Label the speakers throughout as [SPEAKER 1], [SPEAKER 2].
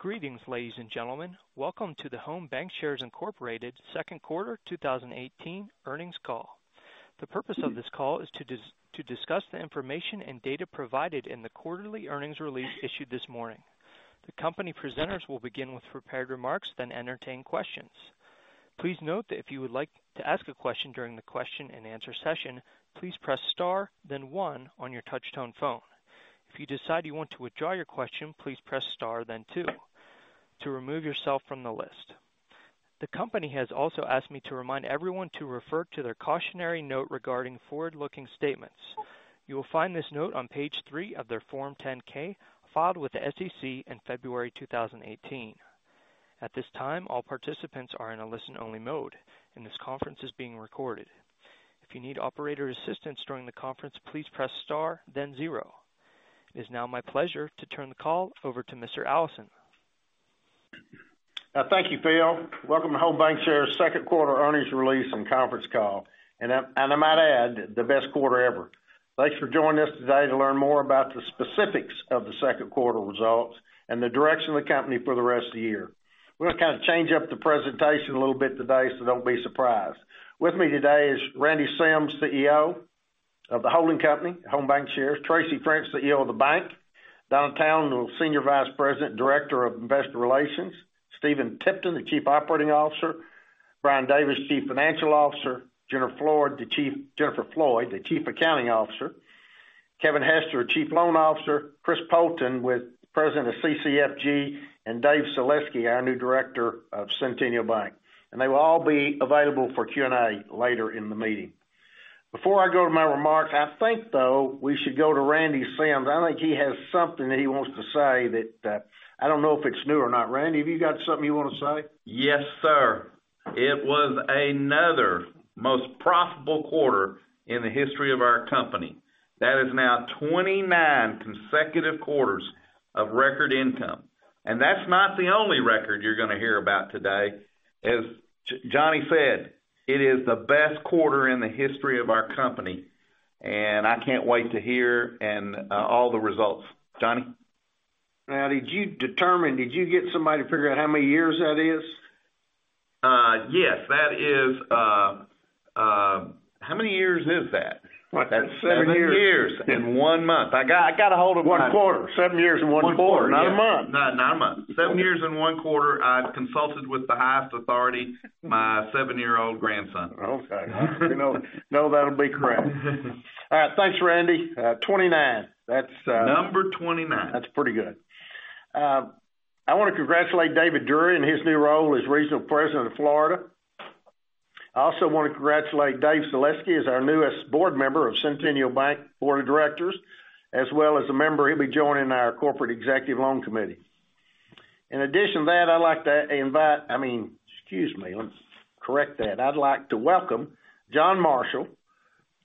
[SPEAKER 1] Greetings, ladies and gentlemen. Welcome to the Home Bancshares, Inc. second quarter 2018 earnings call. The purpose of this call is to discuss the information and data provided in the quarterly earnings release issued this morning. The company presenters will begin with prepared remarks, then entertain questions. Please note that if you would like to ask a question during the question and answer session, please press star then one on your touch-tone phone. If you decide you want to withdraw your question, please press star then two to remove yourself from the list. The company has also asked me to remind everyone to refer to their cautionary note regarding forward-looking statements. You will find this note on page three of their Form 10-K, filed with the SEC in February 2018. At this time, all participants are in a listen-only mode, and this conference is being recorded. If you need operator assistance during the conference, please press star then zero. It is now my pleasure to turn the call over to Mr. Allison.
[SPEAKER 2] Thank you, Phil. Welcome to Home Bancshares, Inc.'s second quarter earnings release and conference call. I might add, the best quarter ever. Thanks for joining us today to learn more about the specifics of the second quarter results and the direction of the company for the rest of the year. We're going to kind of change up the presentation a little bit today, so don't be surprised. With me today is Randy Sims, CEO of the holding company, Home Bancshares, Inc.; Tracy French, CEO of the bank; Donna J. Townsell, Senior Vice President, Director of Investor Relations; Stephen Tipton, the Chief Operating Officer; Brian Davis, Chief Financial Officer; Jennifer Floyd, the Chief Accounting Officer; Kevin Hester, Chief Lending Officer; Chris Poulton, President of CCFG; and Dave Seleski, our new Director of Centennial Bank. They will all be available for Q&A later in the meeting. Before I go to my remarks, I think, though, we should go to Randy Sims. I think he has something that he wants to say that, I don't know if it's new or not. Randy, have you got something you want to say?
[SPEAKER 3] Yes, sir. It was another most profitable quarter in the history of our company. That is now 29 consecutive quarters of record income. That's not the only record you're going to hear about today. As Johnny said, it is the best quarter in the history of our company, and I can't wait to hear all the results. Johnny?
[SPEAKER 2] Did you determine, did you get somebody to figure out how many years that is?
[SPEAKER 3] Yes. That is. How many years is that?
[SPEAKER 2] That's seven years.
[SPEAKER 3] Seven years and one month. I got a hold of.
[SPEAKER 2] One quarter. Seven years and one quarter.
[SPEAKER 3] One quarter, yes.
[SPEAKER 2] Not a month.
[SPEAKER 3] No, not a month. Seven years and one quarter. I consulted with the highest authority, my seven-year-old grandson.
[SPEAKER 2] Okay. We know that'll be correct. All right. Thanks, Randy. 29.
[SPEAKER 3] Number 29.
[SPEAKER 2] That's pretty good. I want to congratulate David Dury in his new role as Regional President of Florida. I also want to congratulate Dave Seleski as our newest board member of Centennial Bank Board of Directors, as well as a member, he'll be joining our Corporate Executive Loan Committee. In addition to that, I'd like to invite Excuse me, let's correct that. I'd like to welcome John Marshall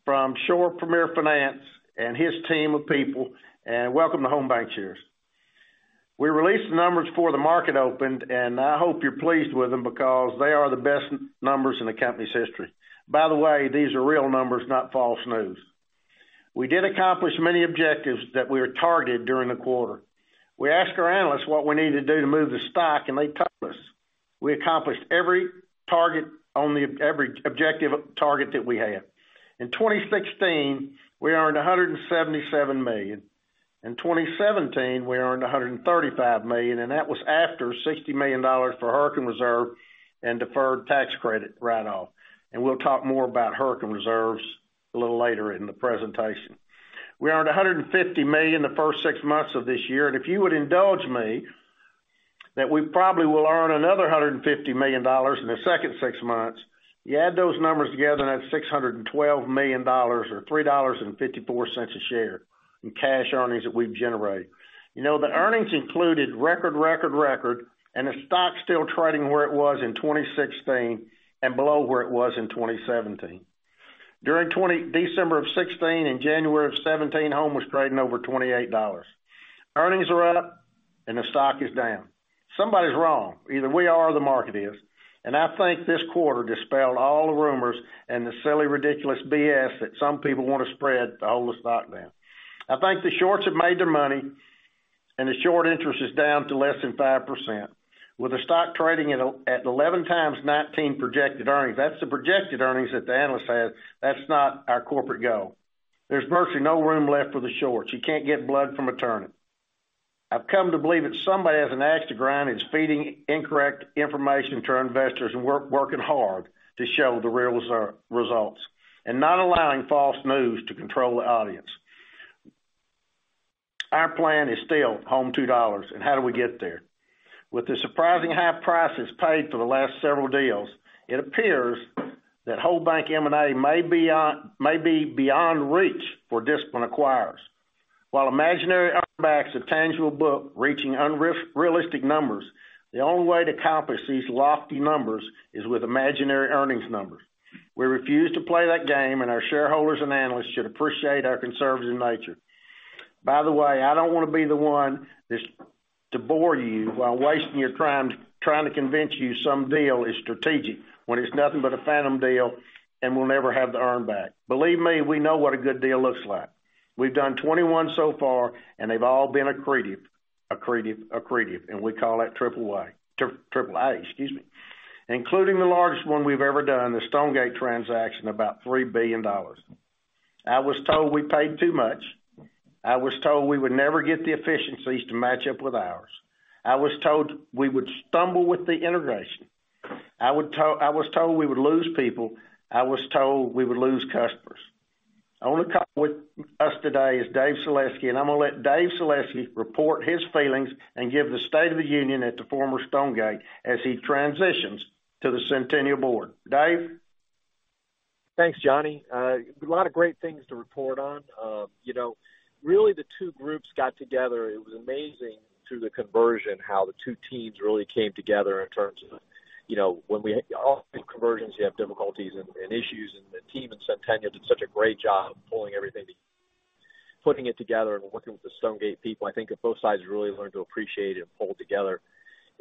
[SPEAKER 2] from Shore Premier Finance and his team of people. Welcome to Home Bancshares. We released the numbers before the market opened, and I hope you're pleased with them because they are the best numbers in the company's history. By the way, these are real numbers, not false news. We did accomplish many objectives that we had targeted during the quarter. We asked our analysts what we needed to do to move the stock, and they told us. We accomplished every objective target that we had. In 2016, we earned $177 million. In 2017, we earned $135 million, and that was after $60 million for hurricane reserve and deferred tax credit write-off. We'll talk more about hurricane reserves a little later in the presentation. We earned $150 million the first six months of this year. If you would indulge me, that we probably will earn another $150 million in the second six months. You add those numbers together, that's $612 million, or $3.54 a share in cash earnings that we've generated. The earnings included record, record, and the stock's still trading where it was in 2016 and below where it was in 2017. During December of 2016 and January of 2017, Home was trading over $28. Earnings are up and the stock is down. Somebody's wrong. Either we are or the market is. I think this quarter dispelled all the rumors and the silly, ridiculous BS that some people want to spread to hold the stock down. I think the shorts have made their money, and the short interest is down to less than 5%. With the stock trading at 11x 2019 projected earnings, that's the projected earnings that the analysts have. That's not our corporate goal. There's virtually no room left for the shorts. You can't get blood from a turnip. I've come to believe that somebody has an axe to grind and is feeding incorrect information to our investors, and we're working hard to show the real results, and not allowing false news to control the audience. Our plan is still Home $2, and how do we get there? With the surprisingly high prices paid for the last several deals, it appears that whole bank M&A may be beyond reach for disciplined acquirers. While imaginary earnbacks of tangible book reaching unrealistic numbers, the only way to accomplish these lofty numbers is with imaginary earnings numbers. We refuse to play that game, and our shareholders and analysts should appreciate our conservative nature. By the way, I don't want to be the one to bore you while wasting your time trying to convince you some deal is strategic when it's nothing but a phantom deal and we'll never have the earnback. Believe me, we know what a good deal looks like. We've done 21 so far, and they've all been accretive, accretive, and we call that triple A. Including the largest one we've ever done, the Stonegate transaction, about $3 billion. I was told we paid too much. I was told we would never get the efficiencies to match up with ours. I was told we would stumble with the integration. I was told we would lose people. I was told we would lose customers. On the call with us today is Dave Seleski, and I'm going to let Dave Seleski report his feelings and give the State of the Union at the former Stonegate as he transitions to the Centennial board. Dave?
[SPEAKER 4] Thanks, Johnny. A lot of great things to report on. Really, the two groups got together. It was amazing through the conversion, how the two teams really came together in terms of. Often, conversions, you have difficulties and issues, and the team at Centennial did such a great job of pulling everything together, putting it together, and working with the Stonegate people. I think that both sides really learned to appreciate and pull together.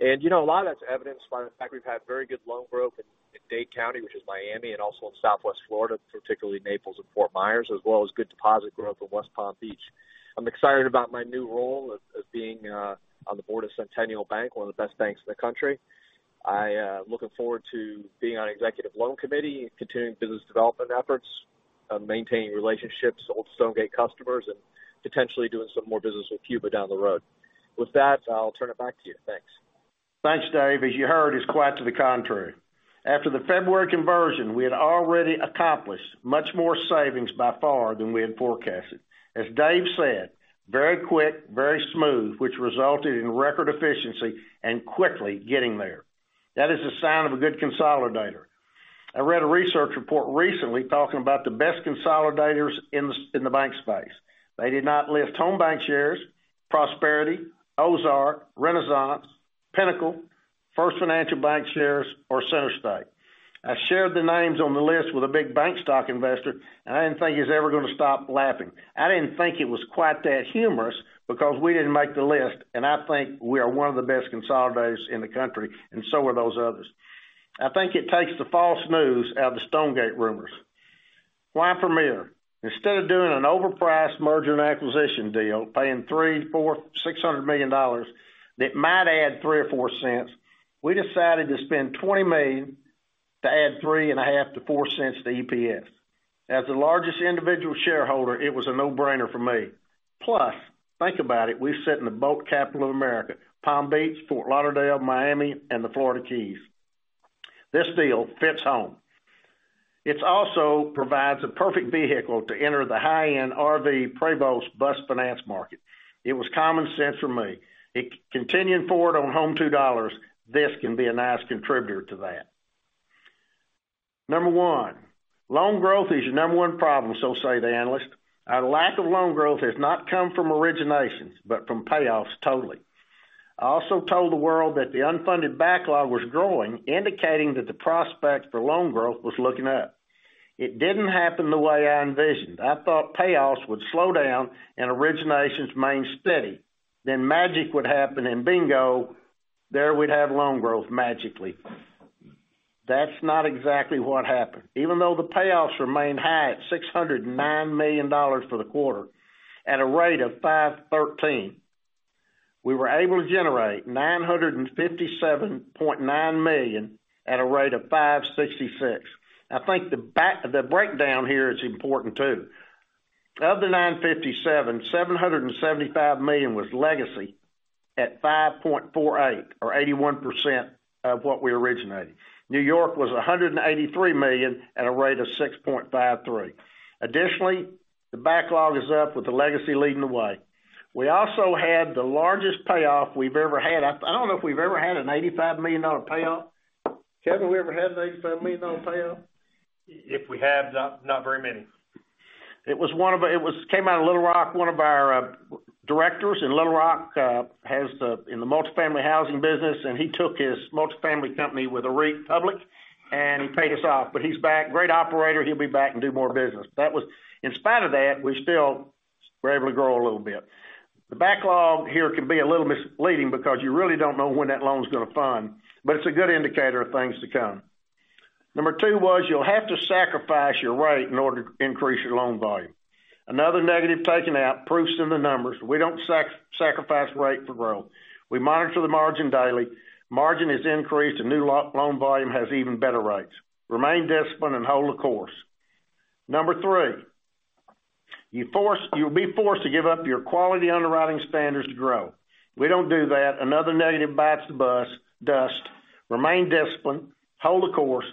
[SPEAKER 4] A lot of that's evidenced by the fact we've had very good loan growth in Dade County, which is Miami, and also in Southwest Florida, particularly Naples and Fort Myers, as well as good deposit growth in West Palm Beach. I'm excited about my new role of being on the board of Centennial Bank, one of the best banks in the country. I am looking forward to being on executive loan committee, continuing business development efforts, maintaining relationships with Stonegate customers, and potentially doing some more business with Cuba down the road. With that, I'll turn it back to you. Thanks.
[SPEAKER 2] Thanks, Dave. As you heard, it's quite to the contrary. After the February conversion, we had already accomplished much more savings by far than we had forecasted. As Dave said, very quick, very smooth, which resulted in record efficiency and quickly getting there. That is a sign of a good consolidator. I read a research report recently talking about the best consolidators in the bank space. They did not list Home Bancshares, Prosperity Bank OZK, Renasant, Pinnacle, First Financial Bankshares, or CenterState. I shared the names on the list with a big bank stock investor, and I didn't think he was ever going to stop laughing. I didn't think it was quite that humorous because we didn't make the list, and I think we are one of the best consolidators in the country, and so are those others. I think it takes the false news out of the Stonegate rumors. Why Premier? Instead of doing an overpriced merger and acquisition deal, paying $300 million, $400 million, $600 million that might add $0.03 or $0.04, we decided to spend $20 million to add $0.035 to $0.04 to EPS. As the largest individual shareholder, it was a no-brainer for me. Think about it, we sit in the boat capital of America, Palm Beach, Fort Lauderdale, Miami, and the Florida Keys. This deal fits Home. It also provides a perfect vehicle to enter the high-end RV Prevost bus finance market. It was common sense for me. Continuing forward on Home to $2, this can be a nice contributor to that. Number one, loan growth is your number one problem, so say the analysts. Our lack of loan growth has not come from originations, but from payoffs totally. I also told the world that the unfunded backlog was growing, indicating that the prospect for loan growth was looking up. It didn't happen the way I envisioned. I thought payoffs would slow down and originations remain steady. Magic would happen, and bingo, there we'd have loan growth magically. That's not exactly what happened. Even though the payoffs remained high at $609 million for the quarter at a rate of 513, we were able to generate $957.9 million at a rate of 566. I think the breakdown here is important, too. Of the 957, $775 million was legacy at 5.48, or 81% of what we originated. New York was $183 million at a rate of 6.53. The backlog is up with the legacy leading the way. We also had the largest payoff we've ever had. I don't know if we've ever had an $85 million payoff. Kevin, have we ever had an $85 million payoff?
[SPEAKER 5] If we have, not very many.
[SPEAKER 2] It came out of Little Rock. One of our directors in Little Rock, in the multifamily housing business, and he took his multifamily company with a REIT public, and he paid us off. He's back. Great operator. He'll be back and do more business. In spite of that, we still were able to grow a little bit. The backlog here can be a little misleading because you really don't know when that loan is going to fund, but it's a good indicator of things to come. Number 2 was you'll have to sacrifice your rate in order to increase your loan volume. Another negative taken out, proof's in the numbers. We don't sacrifice rate for growth. We monitor the margin daily. Margin has increased, and new loan volume has even better rates. Remain disciplined and hold the course. Number three, you'll be forced to give up your quality underwriting standards to grow. We don't do that. Another negative bites the dust. Remain disciplined. Hold the course.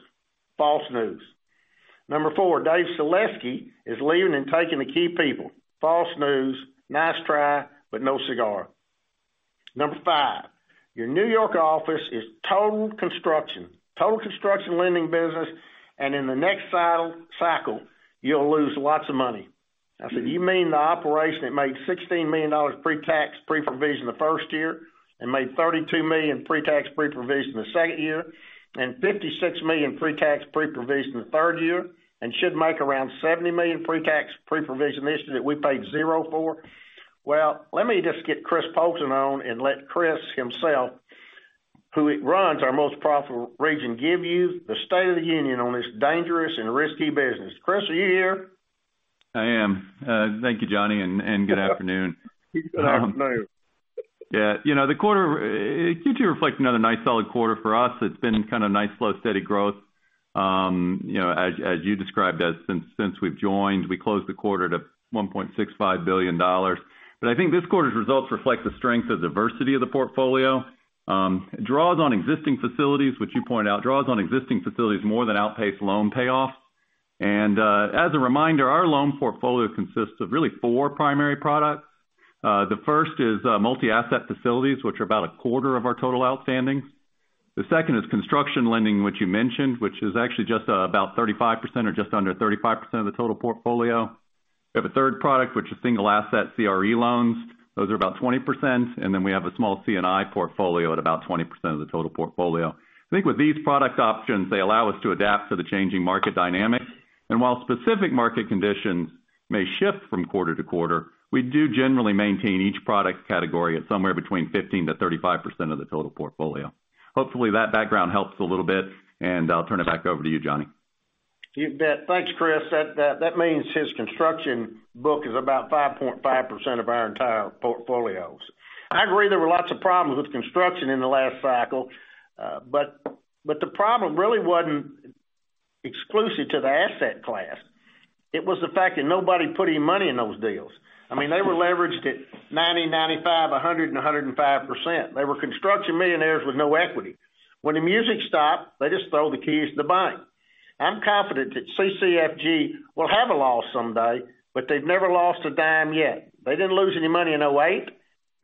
[SPEAKER 2] False news. Number four, Dave Seleski is leaving and taking the key people. False news. Nice try, but no cigar. Number five, your New York office is total construction lending business, and in the next cycle, you'll lose lots of money. I said, "You mean the operation that made $16 million pre-tax, pre-provision the first year, and made $32 million pre-tax, pre-provision the second year, and $56 million pre-tax, pre-provision the third year, and should make around $70 million pre-tax, pre-provision this year that we paid zero for?" Well, let me just get Chris Poulton on and let Chris himself, who runs our most profitable region, give you the state of the union on this dangerous and risky business. Chris, are you here?
[SPEAKER 6] I am. Thank you, Johnny, Good afternoon.
[SPEAKER 2] Good afternoon.
[SPEAKER 6] Yeah. The quarter, Q2 reflects another nice solid quarter for us. It's been kind of nice flow, steady growth. As you described since we've joined, we closed the quarter to $1.65 billion. I think this quarter's results reflect the strength and diversity of the portfolio. Draws on existing facilities, which you pointed out, draws on existing facilities more than outpaced loan payoff. As a reminder, our loan portfolio consists of really four primary products. The first is multi-asset facilities, which are about a quarter of our total outstanding. The second is construction lending, which you mentioned, which is actually just about 35% or just under 35% of the total portfolio. We have a third product, which is single asset CRE loans. Those are about 20%. We have a small C&I portfolio at about 20% of the total portfolio. I think with these product options, they allow us to adapt to the changing market dynamics. While specific market conditions may shift from quarter to quarter, we do generally maintain each product category at somewhere between 15%-35% of the total portfolio. Hopefully, that background helps a little bit, and I'll turn it back over to you, Johnny.
[SPEAKER 2] You bet. Thanks, Chris. That means his construction book is about 5.5% of our entire portfolios. I agree there were lots of problems with construction in the last cycle. The problem really wasn't exclusive to the asset class. It was the fact that nobody put any money in those deals. They were leveraged at 90%, 95%, 100% and 105%. They were construction millionaires with no equity. When the music stopped, they just throw the keys to the bank. I'm confident that CCFG will have a loss someday, but they've never lost a dime yet. They didn't lose any money in 2008,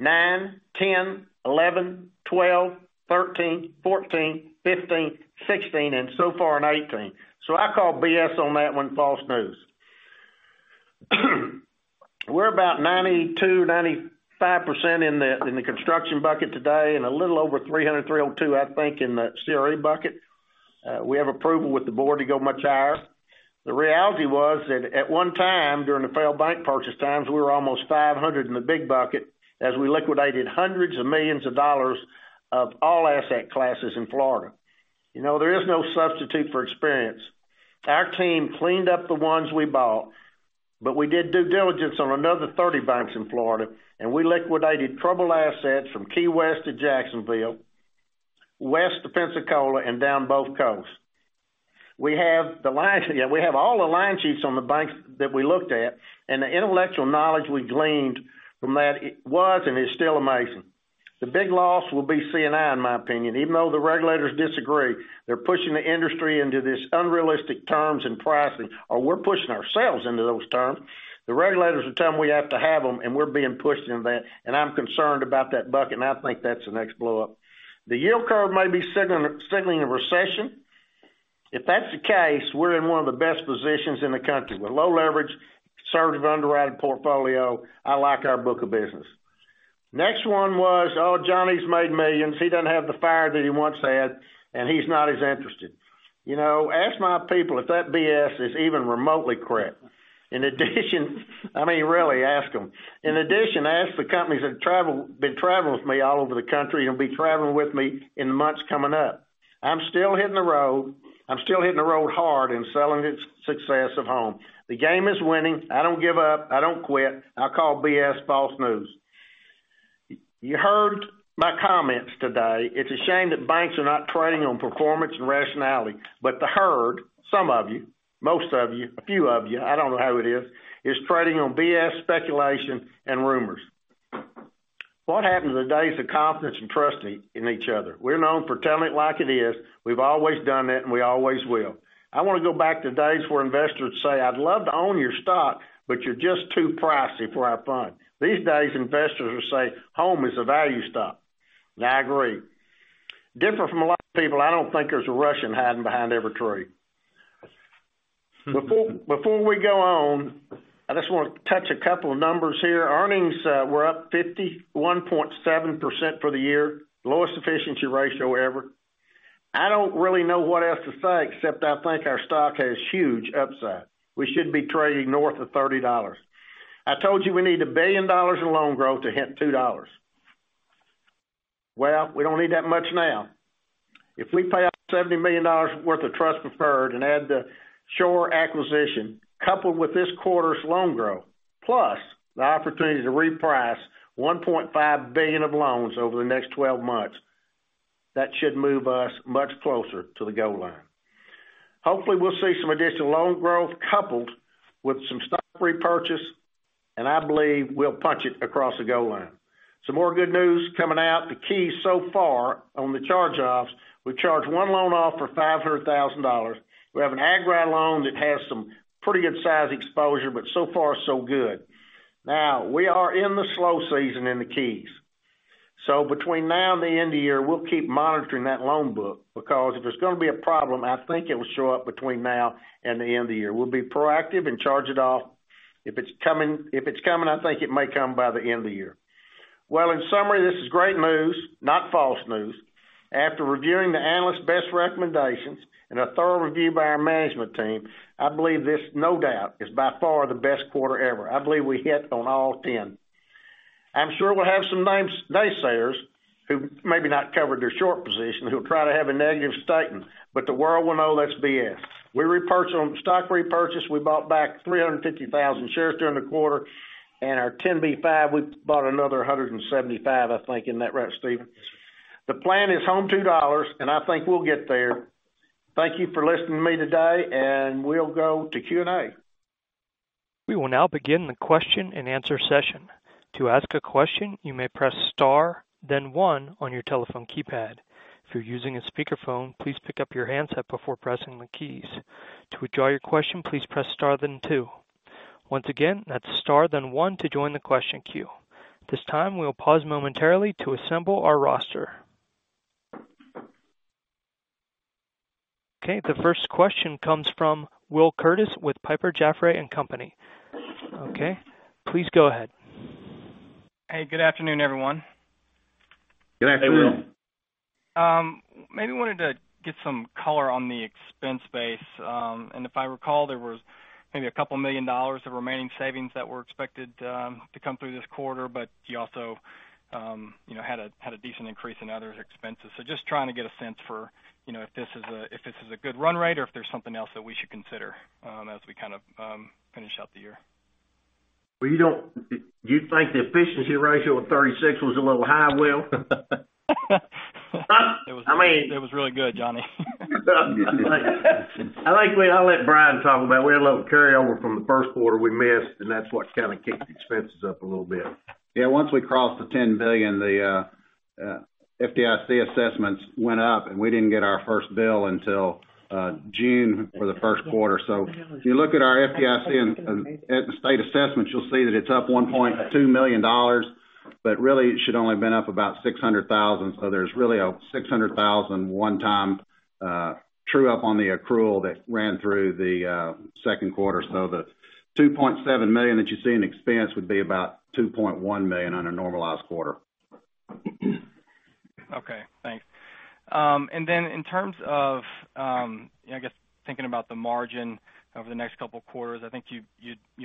[SPEAKER 2] 2009, 2010, 2011, 2012, 2013, 2014, 2015, 2016, and so far in 2018. I call BS on that one false news. We're about 92%-95% in the construction bucket today and a little over $300 million-$302 million, I think, in the CRE bucket. We have approval with the board to go much higher. The reality was that at one time, during the failed bank purchase times, we were almost $500 million in the big bucket as we liquidated hundreds of millions of dollars of all asset classes in Florida. There is no substitute for experience. Our team cleaned up the ones we bought, we did due diligence on another 30 banks in Florida, and we liquidated troubled assets from Key West to Jacksonville, west to Pensacola, and down both coasts. We have all the line sheets on the banks that we looked at, and the intellectual knowledge we gleaned from that, it was and is still amazing. The big loss will be C&I, in my opinion, even though the regulators disagree. They're pushing the industry into these unrealistic terms and pricing, or we're pushing ourselves into those terms. The regulators are telling we have to have them, and we're being pushed in that, and I'm concerned about that bucket, and I think that's the next blow-up. The yield curve may be signaling a recession. If that's the case, we're in one of the best positions in the country. We're low leverage, conservative underrated portfolio. I like our book of business. Next one was, "Oh, Johnny's made millions. He doesn't have the fire that he once had, and he's not as interested." Ask my people if that BS is even remotely correct. In addition, really ask them. In addition, ask the companies that have been traveling with me all over the country and will be traveling with me in the months coming up. I'm still hitting the road. I'm still hitting the road hard and selling the success of Home. The game is winning. I don't give up. I don't quit. I call BS false news. You heard my comments today. It's a shame that banks are not trading on performance and rationality. The herd, some of you, most of you, a few of you, I don't know who it is trading on BS speculation and rumors. What happened to the days of confidence and trusting in each other? We're known for telling it like it is. We've always done it, and we always will. I want to go back to days where investors say, "I'd love to own your stock, but you're just too pricey for our fund." These days, investors will say Home is a value stock, and I agree. Different from a lot of people, I don't think there's a Russian hiding behind every tree. Before we go on, I just want to touch a couple of numbers here. Earnings were up 51.7% for the year, lowest efficiency ratio ever. I don't really know what else to say, except I think our stock has huge upside. We should be trading north of $30. I told you we need $1 billion in loan growth to hit $2. We don't need that much now. If we pay out $70 million worth of trust preferred and add the Shore acquisition, coupled with this quarter's loan growth, plus the opportunity to reprice $1.5 billion of loans over the next 12 months, that should move us much closer to the goal line. Hopefully, we'll see some additional loan growth coupled with some stock repurchase, and I believe we'll punch it across the goal line. Some more good news coming out, The Keys so far on the charge-offs, we charged one loan off for $500,000. We have an ag ride loan that has some pretty good size exposure, but so far, so good. We are in the slow season in The Keys. Between now and the end of the year, we'll keep monitoring that loan book because if there's going to be a problem, I think it will show up between now and the end of the year. We'll be proactive and charge it off. If it's coming, I think it may come by the end of the year. In summary, this is great news, not false news. After reviewing the analyst's best recommendations and a thorough review by our management team, I believe this, no doubt, is by far the best quarter ever. I believe we hit on all 10. I'm sure we'll have some naysayers who maybe not covered their short position, who will try to have a negative statement, but the world will know that's BS. We repurchase on stock repurchase, we bought back 350,000 shares during the quarter, and our 10b5, we bought another 175,000, I think. Isn't that right, Stephen?
[SPEAKER 7] That's right.
[SPEAKER 2] The plan is Home to $2. I think we'll get there. Thank you for listening to me today. We'll go to Q&A.
[SPEAKER 1] We will now begin the question and answer session. To ask a question, you may press star then one on your telephone keypad. If you're using a speakerphone, please pick up your handset before pressing the keys. To withdraw your question, please press star then two. Once again, that's star then one to join the question queue. This time, we'll pause momentarily to assemble our roster. Okay, the first question comes from Will Curtis with Piper Jaffray & Company. Okay, please go ahead.
[SPEAKER 8] Hey, good afternoon, everyone.
[SPEAKER 2] Good afternoon.
[SPEAKER 9] Hey, Will.
[SPEAKER 8] Maybe wanted to get some color on the expense base. If I recall, there was maybe a couple million dollars of remaining savings that were expected to come through this quarter, but you also had a decent increase in other expenses. Just trying to get a sense for if this is a good run rate or if there's something else that we should consider as we kind of finish out the year.
[SPEAKER 2] Well, you think the efficiency ratio of 36 was a little high, Will?
[SPEAKER 8] It was really good, Johnny.
[SPEAKER 2] I think I'll let Brian talk about, we had a little carryover from the first quarter we missed, and that's what kind of kicked the expenses up a little bit.
[SPEAKER 9] Yeah. Once we crossed the 10 billion, the FDIC assessments went up, and we didn't get our first bill until June for the first quarter. If you look at our FDIC and state assessments, you'll see that it's up $1.2 million, but really it should only been up about $600,000. There's really a $600,000 one time true up on the accrual that ran through the second quarter. The $2.7 million that you see in expense would be about $2.1 million on a normalized quarter.
[SPEAKER 8] Okay, thanks. In terms of, I guess, thinking about the margin over the next couple of quarters, I think you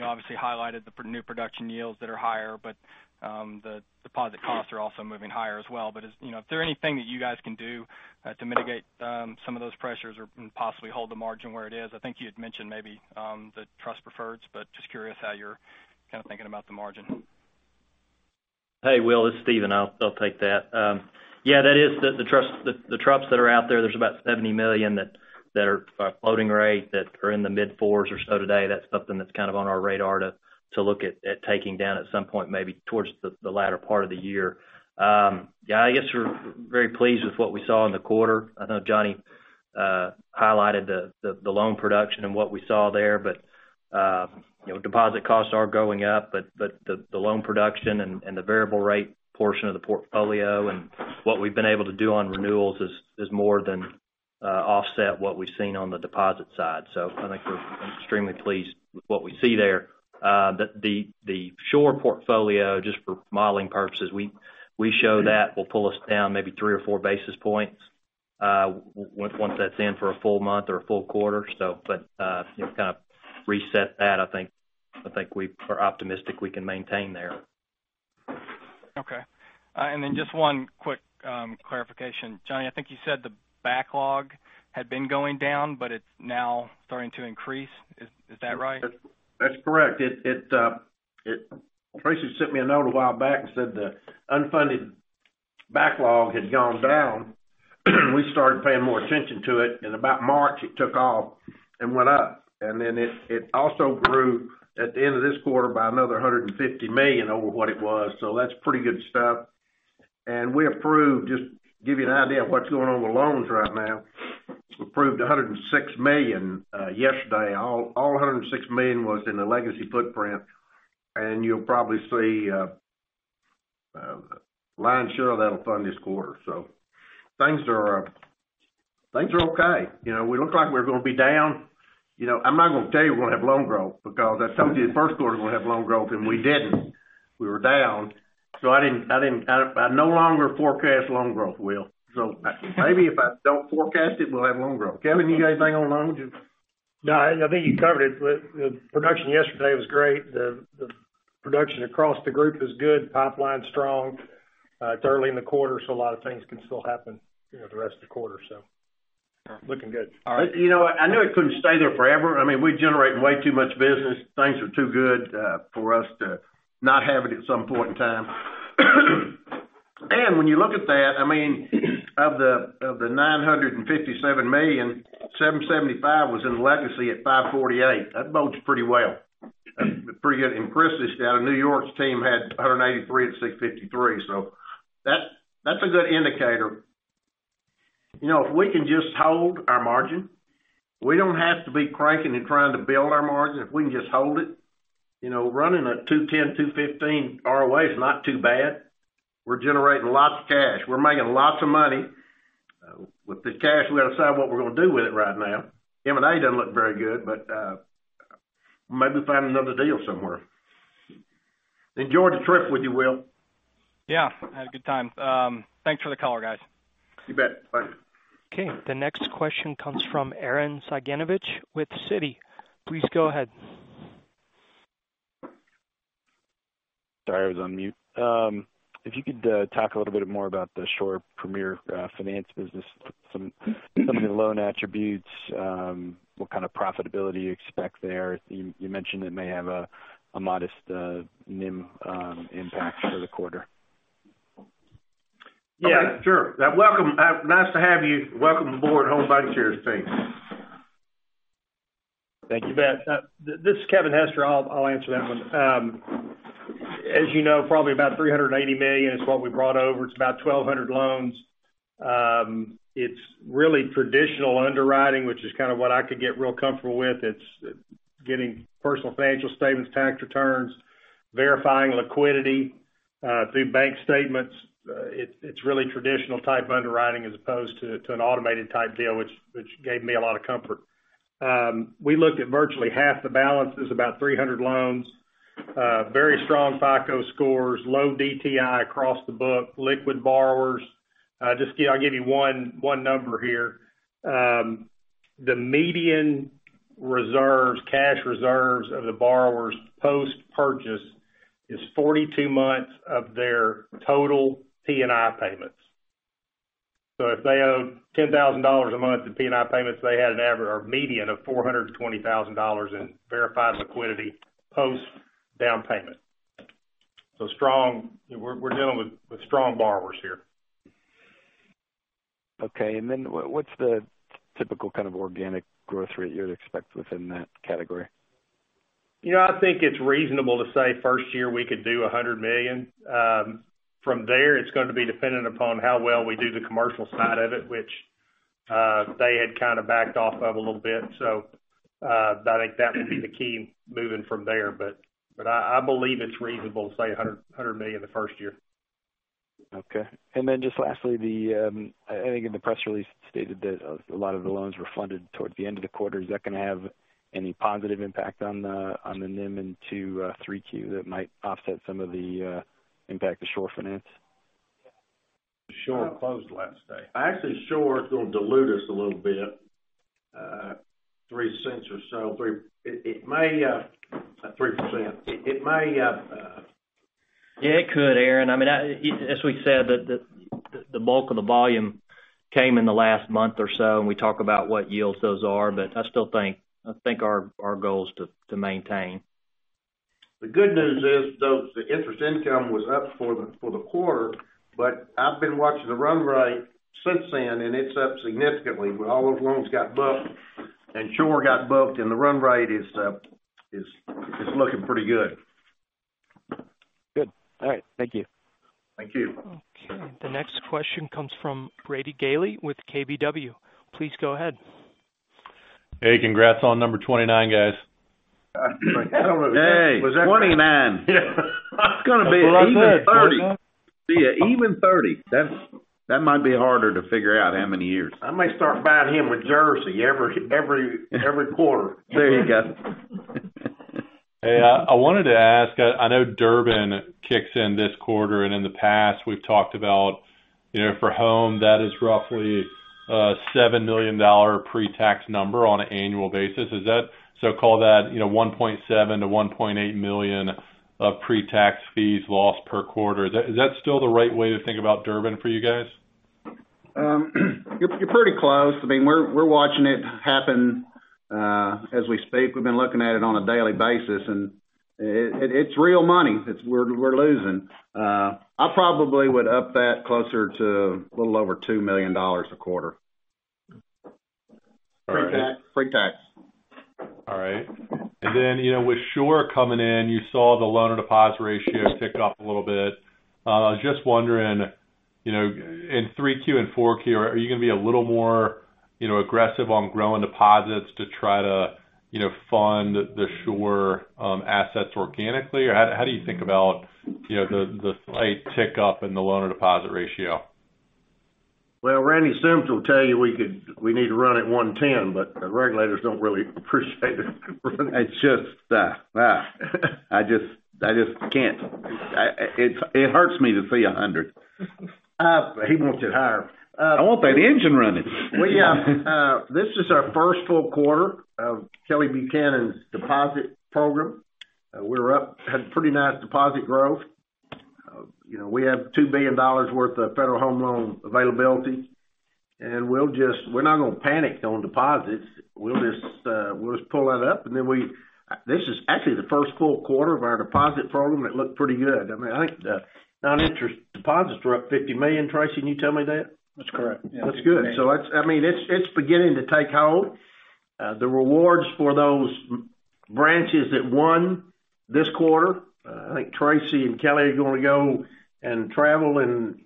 [SPEAKER 8] obviously highlighted the new production yields that are higher, but the deposit costs are also moving higher as well. Is there anything that you guys can do to mitigate some of those pressures or possibly hold the margin where it is? I think you had mentioned maybe the trust preferreds, but just curious how you're kind of thinking about the margin.
[SPEAKER 7] Hey, Will, it's Stephen. I'll take that. Yeah, that is the trust, the trups that are out there's about $70 million that are floating rate that are in the mid-fours or so today. That's something that's kind of on our radar to look at taking down at some point, maybe towards the latter part of the year. Yeah, I guess we're very pleased with what we saw in the quarter. I know Johnny highlighted the loan production and what we saw there, but deposit costs are going up, but the loan production and the variable rate portion of the portfolio and what we've been able to do on renewals has more than offset what we've seen on the deposit side. I think we're extremely pleased with what we see there. The Shore portfolio, just for modeling purposes, we show that will pull us down maybe three or four basis points once that's in for a full month or a full quarter. Kind of reset that, I think we are optimistic we can maintain there.
[SPEAKER 8] Okay. Just one quick clarification. Johnny, I think you said the backlog had been going down, but it's now starting to increase. Is that right?
[SPEAKER 2] That's correct. Tracy sent me a note a while back and said the unfunded backlog had gone down. We started paying more attention to it, and about March it took off and went up. It also grew at the end of this quarter by another $150 million over what it was. That's pretty good stuff. We approved, just to give you an idea of what's going on with loans right now, we approved $106 million yesterday. All $106 million was in the legacy footprint, and you'll probably see line share that'll fund this quarter. Things are okay. We look like we're going to be down. I'm not going to tell you we're going to have loan growth because I told you the first quarter we're going to have loan growth and we didn't. We were down. I no longer forecast loan growth, Will. Maybe if I don't forecast it, we'll have loan growth. Kevin, you got anything on loans?
[SPEAKER 5] No, I think you covered it. The production yesterday was great. The production across the group is good, pipeline's strong. It's early in the quarter, a lot of things can still happen the rest of the quarter. Looking good.
[SPEAKER 2] I knew it couldn't stay there forever. We're generating way too much business. Things are too good for us to not have it at some point in time. When you look at that, of the $957 million, $775 was in legacy at $548. That bodes pretty well. Pretty good. Chris's down in New York's team had $183 at $653. That's a good indicator. If we can just hold our margin, we don't have to be cranking and trying to build our margin. If we can just hold it, running a 210, 215 ROA is not too bad. We're generating lots of cash. We're making lots of money. With the cash, we got to decide what we're going to do with it right now. M&A doesn't look very good, maybe find another deal somewhere. Enjoy the trip with you, Will.
[SPEAKER 8] Yeah, I had a good time. Thanks for the call, guys.
[SPEAKER 9] You bet. Bye.
[SPEAKER 1] Okay, the next question comes from Aaron Cyganiewicz with Citi. Please go ahead.
[SPEAKER 10] Sorry, I was on mute. If you could talk a little bit more about the Shore Premier Finance business, some of the loan attributes, what kind of profitability you expect there. You mentioned it may have a modest NIM impact for the quarter.
[SPEAKER 9] Yeah, sure. Welcome. Nice to have you. Welcome aboard Home Bancshares team.
[SPEAKER 5] Thank you. You bet. This is Kevin Hester. I'll answer that one. As you know, probably about $380 million is what we brought over. It's about 1,200 loans. It's really traditional underwriting, which is kind of what I could get real comfortable with. It's getting personal financial statements, tax returns, verifying liquidity through bank statements. It's really traditional type underwriting as opposed to an automated type deal, which gave me a lot of comfort. We looked at virtually half the balances, about 300 loans. Very strong FICO scores, low DTI across the book, liquid borrowers. I'll give you one number here. The median reserves, cash reserves of the borrowers post-purchase is 42 months of their total P&I payments. If they owe $10,000 a month in P&I payments, they had a median of $420,000 in verified liquidity post-down payment. We're dealing with strong borrowers here.
[SPEAKER 10] Okay. What's the typical kind of organic growth rate you would expect within that category?
[SPEAKER 5] I think it's reasonable to say first year we could do $100 million. From there, it's going to be dependent upon how well we do the commercial side of it, which they had kind of backed off of a little bit. I think that would be the key moving from there. I believe it's reasonable to say $100 million the first year.
[SPEAKER 10] Okay. Lastly, I think in the press release, it stated that a lot of the loans were funded towards the end of the quarter. Is that going to have any positive impact on the NIM into 3Q that might offset some of the impact of Shore Finance?
[SPEAKER 9] Shore closed last day. Actually, Shore is going to dilute us a little bit, $0.03 or so. 3%.
[SPEAKER 7] Yeah, it could, Aaron. As we said, the bulk of the volume came in the last month or so, and we talk about what yields those are, but I still think our goal is to maintain.
[SPEAKER 9] The good news is, though, the interest income was up for the quarter, but I've been watching the run rate since then, and it's up significantly. All those loans got booked and Shore got booked, and the run rate is looking pretty good.
[SPEAKER 10] Good. All right. Thank you.
[SPEAKER 9] Thank you.
[SPEAKER 1] Okay, the next question comes from Brady Gailey with KBW. Please go ahead.
[SPEAKER 11] Hey, congrats on number 29, guys.
[SPEAKER 9] I don't know.
[SPEAKER 7] Hey, 29.
[SPEAKER 9] Yeah.
[SPEAKER 7] It's going to be even 30.
[SPEAKER 5] That's what I said, 29.
[SPEAKER 7] Yeah, even 30. That might be harder to figure out how many years.
[SPEAKER 9] I may start buying him a jersey every quarter.
[SPEAKER 7] There you go.
[SPEAKER 11] Hey, I wanted to ask, I know Durbin kicks in this quarter, and in the past, we've talked about, for HOME, that is roughly a $7 million pre-tax number on an annual basis. Call that, $1.7 million-$1.8 million of pre-tax fees lost per quarter. Is that still the right way to think about Durbin for you guys?
[SPEAKER 9] You're pretty close. We're watching it happen as we speak. We've been looking at it on a daily basis. It's real money we're losing. I probably would up that closer to a little over $2 million a quarter.
[SPEAKER 5] Pre-tax.
[SPEAKER 9] Pre-tax.
[SPEAKER 11] All right. Then, with Shore coming in, you saw the loan-to-deposit ratio tick up a little bit. I was just wondering, in 3Q and 4Q, are you going to be a little more aggressive on growing deposits to try to fund the Shore assets organically? Or how do you think about the slight tick up in the loan-to-deposit ratio?
[SPEAKER 9] Well, Randy Sims will tell you we need to run at 110. The regulators don't really appreciate it.
[SPEAKER 7] It's just that. I just can't. It hurts me to see 100.
[SPEAKER 9] He wants it higher.
[SPEAKER 7] I want that engine running.
[SPEAKER 9] Well, yeah. This is our first full quarter of Kelly Buchanan's deposit program. We're up, had pretty nice deposit growth. We have $2 billion worth of Federal Home Loan availability, we're not going to panic on deposits. We'll just pull that up. This is actually the first full quarter of our deposit program. It looked pretty good. I think the non-interest deposits were up $50 million. Tracy, can you tell me that?
[SPEAKER 12] That's correct, yeah.
[SPEAKER 9] That's good. It's beginning to take hold. The rewards for those branches that won this quarter, I think Tracy French and Kelly Buchanan are going to go and travel and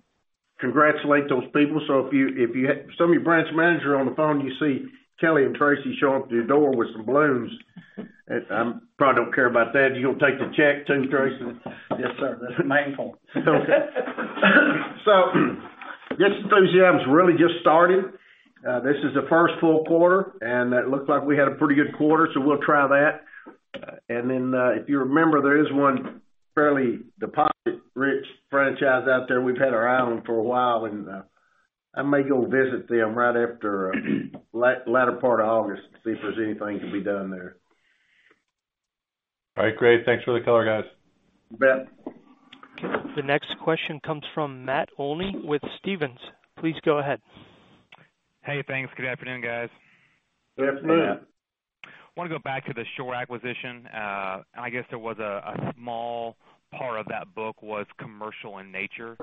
[SPEAKER 9] congratulate those people. If some of you branch manager on the phone, you see Kelly Buchanan and Tracy French show up at your door with some balloons, probably don't care about that. You're going to take the check too, Tracy French?
[SPEAKER 12] Yes, sir. That's the main point.
[SPEAKER 9] This enthusiasm's really just starting. This is the first full quarter, and it looked like we had a pretty good quarter, so we'll try that. If you remember, there is one fairly deposit-rich franchise out there. We've had our eye on them for a while, and I may go visit them right after the latter part of August to see if there's anything to be done there.
[SPEAKER 11] All right, great. Thanks for the color, guys.
[SPEAKER 9] You bet.
[SPEAKER 1] The next question comes from Matt Olney with Stephens. Please go ahead.
[SPEAKER 13] Hey, thanks. Good afternoon, guys.
[SPEAKER 12] Good afternoon. Afternoon.
[SPEAKER 13] I want to go back to the Shore acquisition. I guess there was a small part of that book was commercial in nature.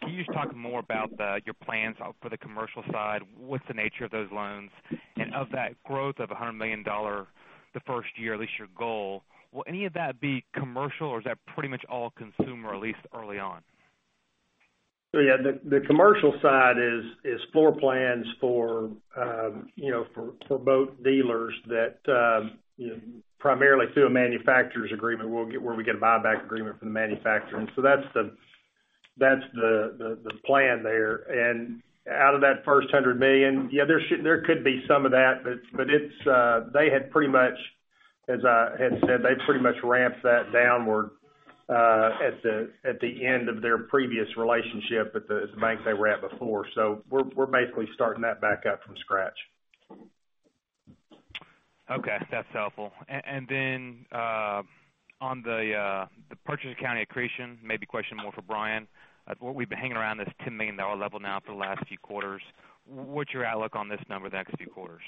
[SPEAKER 13] Can you just talk more about your plans for the commercial side? What's the nature of those loans? Of that growth of $100 million the first year, at least your goal, will any of that be commercial, or is that pretty much all consumer, at least early on?
[SPEAKER 9] Yeah, the commercial side is floor plans for boat dealers that, primarily through a manufacturer's agreement, where we get a buyback agreement from the manufacturer. That's the plan there. Out of that first $100 million, yeah, there could be some of that. As I had said, they pretty much ramped that downward at the end of their previous relationship at the bank they were at before. We're basically starting that back up from scratch.
[SPEAKER 13] Okay, that's helpful. Then, on the purchase accounting accretion, maybe a question more for Brian, we've been hanging around this $10 million level now for the last few quarters. What's your outlook on this number the next few quarters?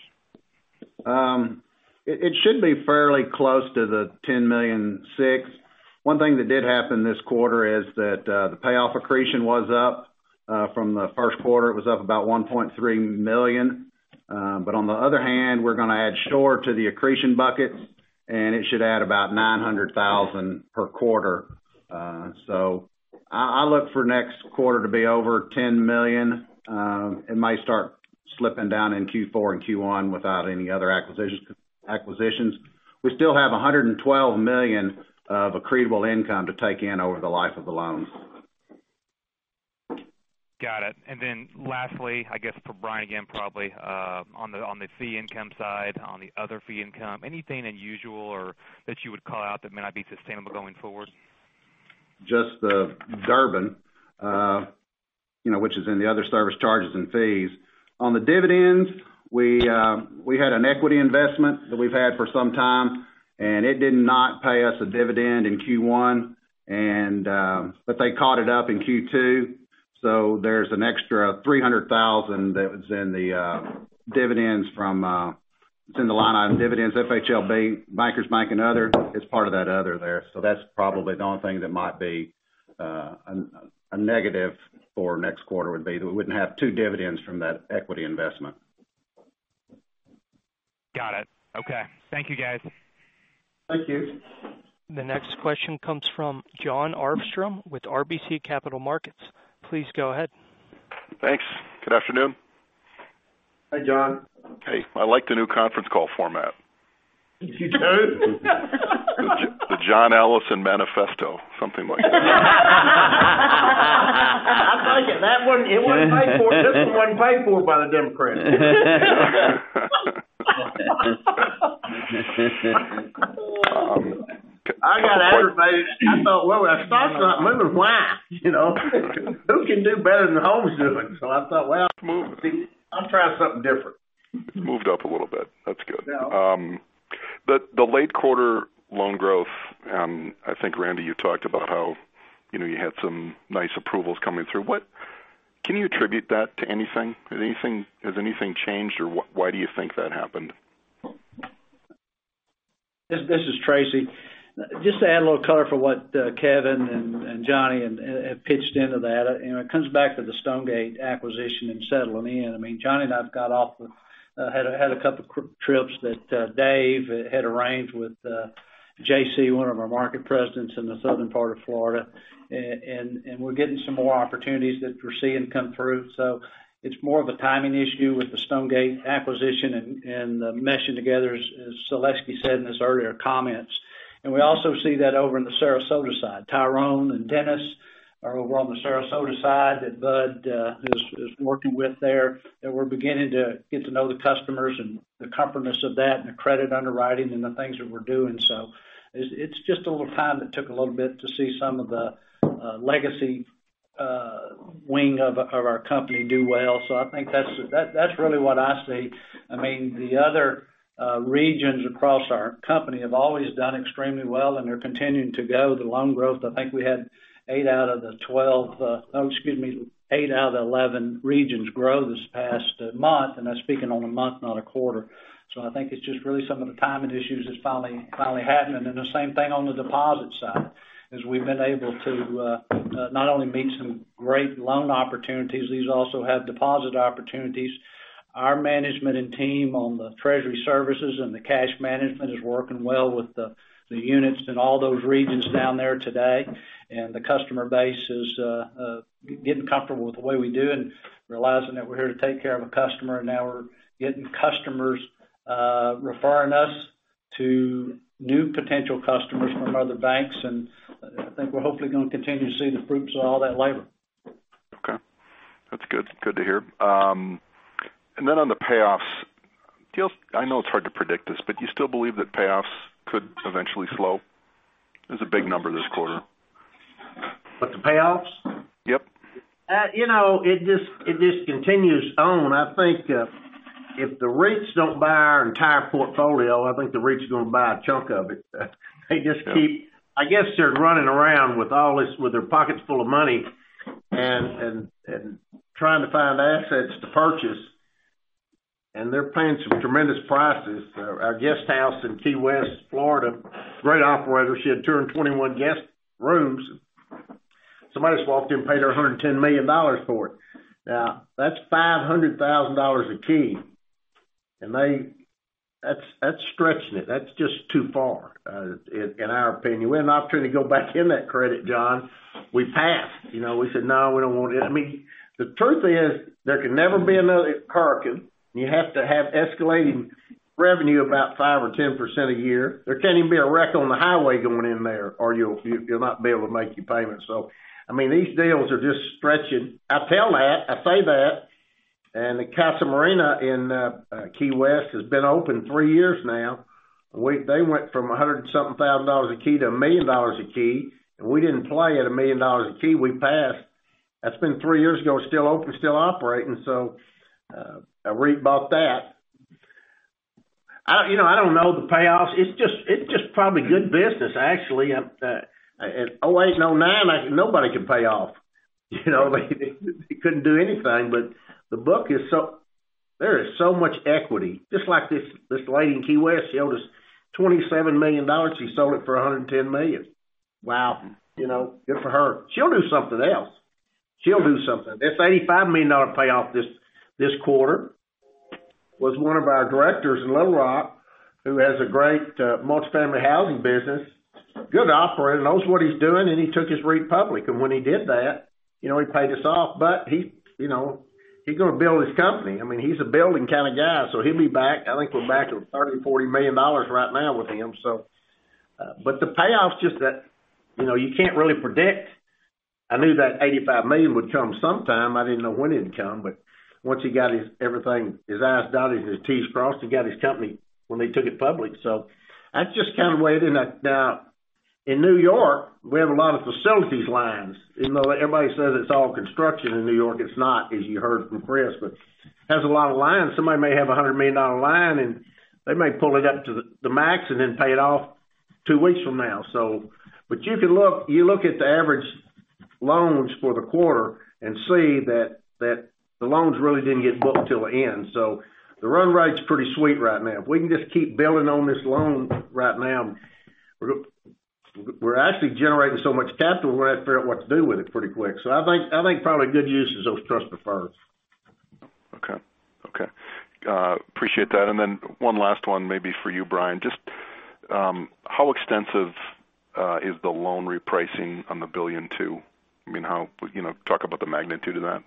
[SPEAKER 9] It should be fairly close to the $10.6 million. One thing that did happen this quarter is that the payoff accretion was up. From the first quarter, it was up about $1.3 million. On the other hand, we're going to add Shore to the accretion bucket, and it should add about $900,000 per quarter. I look for next quarter to be over $10 million. It might start slipping down in Q4 and Q1 without any other acquisitions. We still have $112 million of accretable income to take in over the life of the loans.
[SPEAKER 13] Then lastly, I guess for Brian again, probably, on the fee income side, on the other fee income, anything unusual or that you would call out that might not be sustainable going forward?
[SPEAKER 9] Just the Durbin, which is in the other service charges and fees. On the dividends, we had an equity investment that we've had for some time, and it did not pay us a dividend in Q1, but they caught it up in Q2, there's an extra $300,000 that was in the line item dividends, FHLB, Bankers Bank, and other. It's part of that other there. That's probably the only thing that might be a negative for next quarter would be that we wouldn't have two dividends from that equity investment.
[SPEAKER 13] Got it. Okay. Thank you, guys.
[SPEAKER 9] Thank you.
[SPEAKER 1] The next question comes from Jon Arfstrom with RBC Capital Markets. Please go ahead.
[SPEAKER 14] Thanks. Good afternoon.
[SPEAKER 9] Hi, Jon.
[SPEAKER 14] Hey. I like the new conference call format.
[SPEAKER 9] You do?
[SPEAKER 14] The John Allison manifesto, something like that.
[SPEAKER 9] I like it. It wasn't paid for. This one wasn't paid for by the Democrats. I got aggravated. I thought, "Well, when I saw it's not moving, why?" Who can do better than Home doing? I thought.
[SPEAKER 14] It's moving
[SPEAKER 9] I'll try something different.
[SPEAKER 14] Moved up a little bit. That's good.
[SPEAKER 9] Yeah.
[SPEAKER 14] The late quarter loan growth, I think, Randy, you talked about how you had some nice approvals coming through. Can you attribute that to anything? Has anything changed, or why do you think that happened?
[SPEAKER 12] This is Tracy. Just to add a little color for what Kevin and Johnny have pitched into that, it comes back to the Stonegate acquisition and settling in. Johnny and I have got off, had a couple trips that Dave had arranged with JC, one of our market presidents in the southern part of Florida, and we're getting some more opportunities that we're seeing come through. It's more of a timing issue with the Stonegate acquisition and the meshing together, as Seleski said in his earlier comments. We also see that over on the Sarasota side. Tyrone and Dennis are over on the Sarasota side that Bud is working with there, and we're beginning to get to know the customers and the comfortness of that and the credit underwriting and the things that we're doing. It's just a little time, it took a little bit to see some of the legacy wing of our company do well. I think that's really what I see. The other regions across our company have always done extremely well, and they're continuing to go. The loan growth, I think we had eight out of the 11 regions grow this past month, and I'm speaking on a month, not a quarter. I think it's just really some of the timing issues that's finally happening, and the same thing on the deposit side, as we've been able to not only meet some great loan opportunities, these also have deposit opportunities. Our management and team on the treasury services and the cash management is working well with the units in all those regions down there today. The customer base is getting comfortable with the way we do and realizing that we're here to take care of a customer. Now we're getting customers referring us to new potential customers from other banks. I think we're hopefully going to continue to see the fruits of all that labor.
[SPEAKER 14] That's good. Good to hear. On the payoffs, I know it's hard to predict this, do you still believe that payoffs could eventually slow? It was a big number this quarter.
[SPEAKER 2] What, the payoffs?
[SPEAKER 14] Yep.
[SPEAKER 2] It just continues on. I think if the REITs don't buy our entire portfolio, I think the REITs are going to buy a chunk of it. They just keep, I guess, they're running around with all this, with their pockets full of money, and trying to find assets to purchase, and they're paying some tremendous prices. Our guest house in Key West, Florida, great operator. She had 221 guest rooms. Somebody just walked in, paid her $110 million for it. Now, that's $500,000 a key, and that's stretching it. That's just too far, in our opinion. We had an opportunity to go back in that credit, John. We passed. We said, "No, we don't want it." The truth is, there can never be another hurricane, and you have to have escalating revenue about 5% or 10% a year. There can't even be a wreck on the highway going in there, or you'll not be able to make your payments. These deals are just stretching. I say that, and the Casa Marina in Key West has been open three years now. They went from 100 and something thousand dollars a key to a million dollars a key, and we didn't play at a million dollars a key. We passed. That's been three years ago. It's still open, still operating. A REIT bought that. I don't know the payoffs. It's just probably good business, actually. In 2008 and 2009, nobody could pay off. They couldn't do anything. The book is, there is so much equity. Just like this lady in Key West, she owed us $27 million. She sold it for $110 million.
[SPEAKER 14] Wow.
[SPEAKER 2] Good for her. She'll do something else. She'll do something. This $85 million payoff this quarter was one of our directors in Little Rock who has a great multi-family housing business, good operator, knows what he's doing, and he took his REIT public. When he did that, he paid us off. He's going to build his company. He's a building kind of guy, so he'll be back. I think we're back to $30, $40 million right now with him. The payoffs, just that you can't really predict. I knew that $85 million would come sometime. I didn't know when it'd come, once he got his everything, his I's dotted and his T's crossed, he got his company when they took it public. That's just kind of the way it is. Now, in New York, we have a lot of facilities lines. Even though everybody says it's all construction in New York, it's not, as you heard from Chris. It has a lot of lines. Somebody may have a $100 million line, and they may pull it up to the max and then pay it off two weeks from now. You look at the average loans for the quarter and see that the loans really didn't get booked till the end. The run rate's pretty sweet right now. If we can just keep building on this loan right now, we're actually generating so much capital, we're going to have to figure out what to do with it pretty quick. I think probably good use is those trust preferreds.
[SPEAKER 14] Okay. Appreciate that. One last one maybe for you, Brian. Just how extensive is the loan repricing on the $1.2 billion? Talk about the magnitude of that.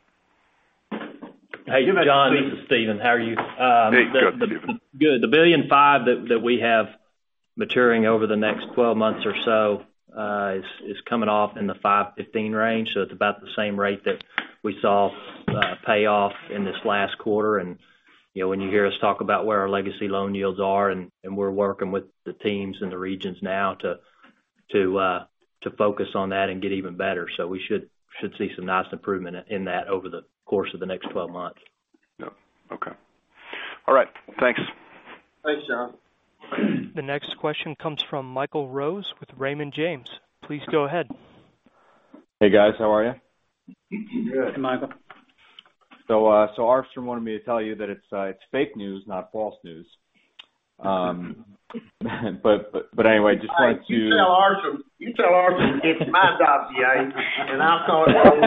[SPEAKER 7] Hey, John, this is Steven. How are you?
[SPEAKER 14] Hey, good, Steven.
[SPEAKER 7] Good. The $1.5 billion that we have maturing over the next 12 months or so is coming off in the 515 range. It's about the same rate that we saw pay off in this last quarter. When you hear us talk about where our legacy loan yields are, we're working with the teams in the regions now to focus on that and get even better. We should see some nice improvement in that over the course of the next 12 months.
[SPEAKER 14] Yep. Okay. All right. Thanks.
[SPEAKER 2] Thanks, John.
[SPEAKER 1] The next question comes from Michael Rose with Raymond James. Please go ahead.
[SPEAKER 15] Hey, guys. How are you?
[SPEAKER 2] Good.
[SPEAKER 7] Hey, Michael.
[SPEAKER 15] Arfstrom wanted me to tell you that it's fake news, not false news.
[SPEAKER 2] You tell Arfstrom it's my job to yell at you, I saw it all.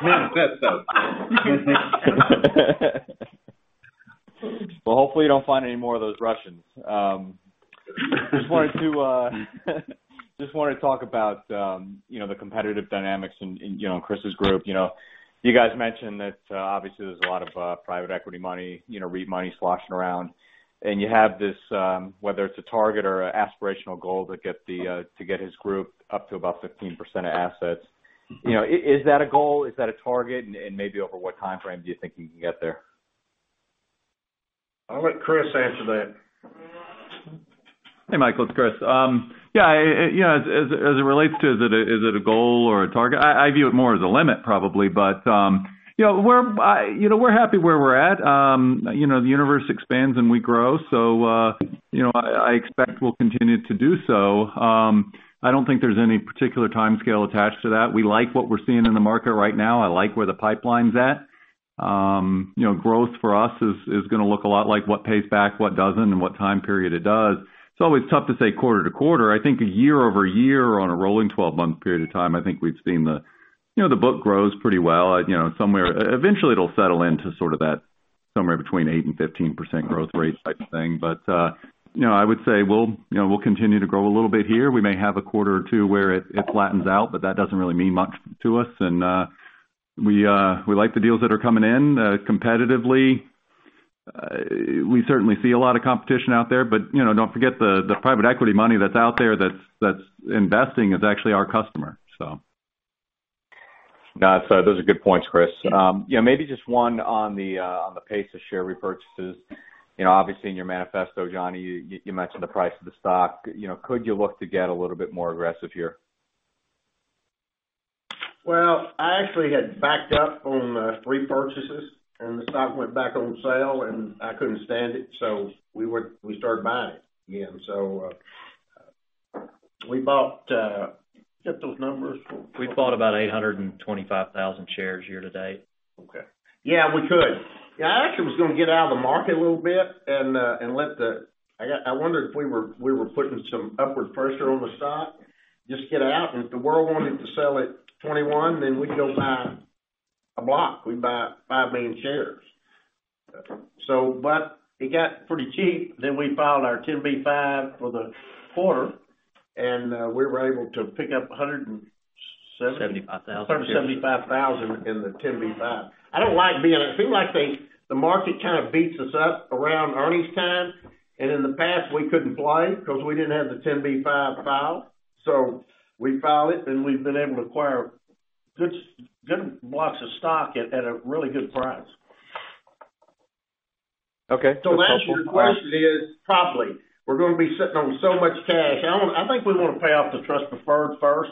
[SPEAKER 7] He didn't say that though.
[SPEAKER 15] Well, hopefully, you don't find any more of those Russians. Just wanted to talk about the competitive dynamics in Chris' group. You guys mentioned that obviously there's a lot of private equity money, REIT money sloshing around, and you have this, whether it's a target or aspirational goal to get his group up to about 15% of assets. Is that a goal? Is that a target? Maybe over what timeframe do you think you can get there?
[SPEAKER 2] I'll let Chris answer that.
[SPEAKER 6] Hey, Michael. It's Chris. As it relates to, is it a goal or a target? I view it more as a limit, probably. We're happy where we're at. The universe expands, we grow. I expect we'll continue to do so. I don't think there's any particular timescale attached to that. We like what we're seeing in the market right now. I like where the pipeline's at. Growth for us is going to look a lot like what pays back, what doesn't, and what time period it does. It's always tough to say quarter to quarter. I think year-over-year on a rolling 12-month period of time, I think we've seen the book grows pretty well. Eventually, it'll settle into sort of that somewhere between 8% and 15% growth rate type thing. I would say we'll continue to grow a little bit here. We may have a quarter or two where it flattens out, but that doesn't really mean much to us. We like the deals that are coming in competitively. We certainly see a lot of competition out there. Don't forget the private equity money that's out there that's investing is actually our customer.
[SPEAKER 15] Those are good points, Chris. Maybe just one on the pace of share repurchases. Obviously, in your manifesto, Johnny, you mentioned the price of the stock. Could you look to get a little bit more aggressive here?
[SPEAKER 2] Well, I actually had backed up on repurchases, and the stock went back on sale, and I couldn't stand it, so we started buying again. We bought You get those numbers?
[SPEAKER 7] We bought about 825,000 shares year to date.
[SPEAKER 2] Okay. Yeah, we could. I actually was going to get out of the market a little bit and I wondered if we were putting some upward pressure on the stock, just get out, and if the world wanted to sell at 21, we'd go buy a block. We'd buy five million shares.
[SPEAKER 15] Okay.
[SPEAKER 2] It got pretty cheap, we filed our 10b5 for the quarter, we were able to pick up 170-
[SPEAKER 7] 75,000
[SPEAKER 2] 175,000 in the 10b5. I don't like being. It seems like the market kind of beats us up around earnings time, in the past we couldn't play because we didn't have the 10b5 file. We filed it, we've been able to acquire good blocks of stock at a really good price.
[SPEAKER 15] Okay.
[SPEAKER 2] As for the question is, probably. We're going to be sitting on so much cash. I think we want to pay off the trust preferred first.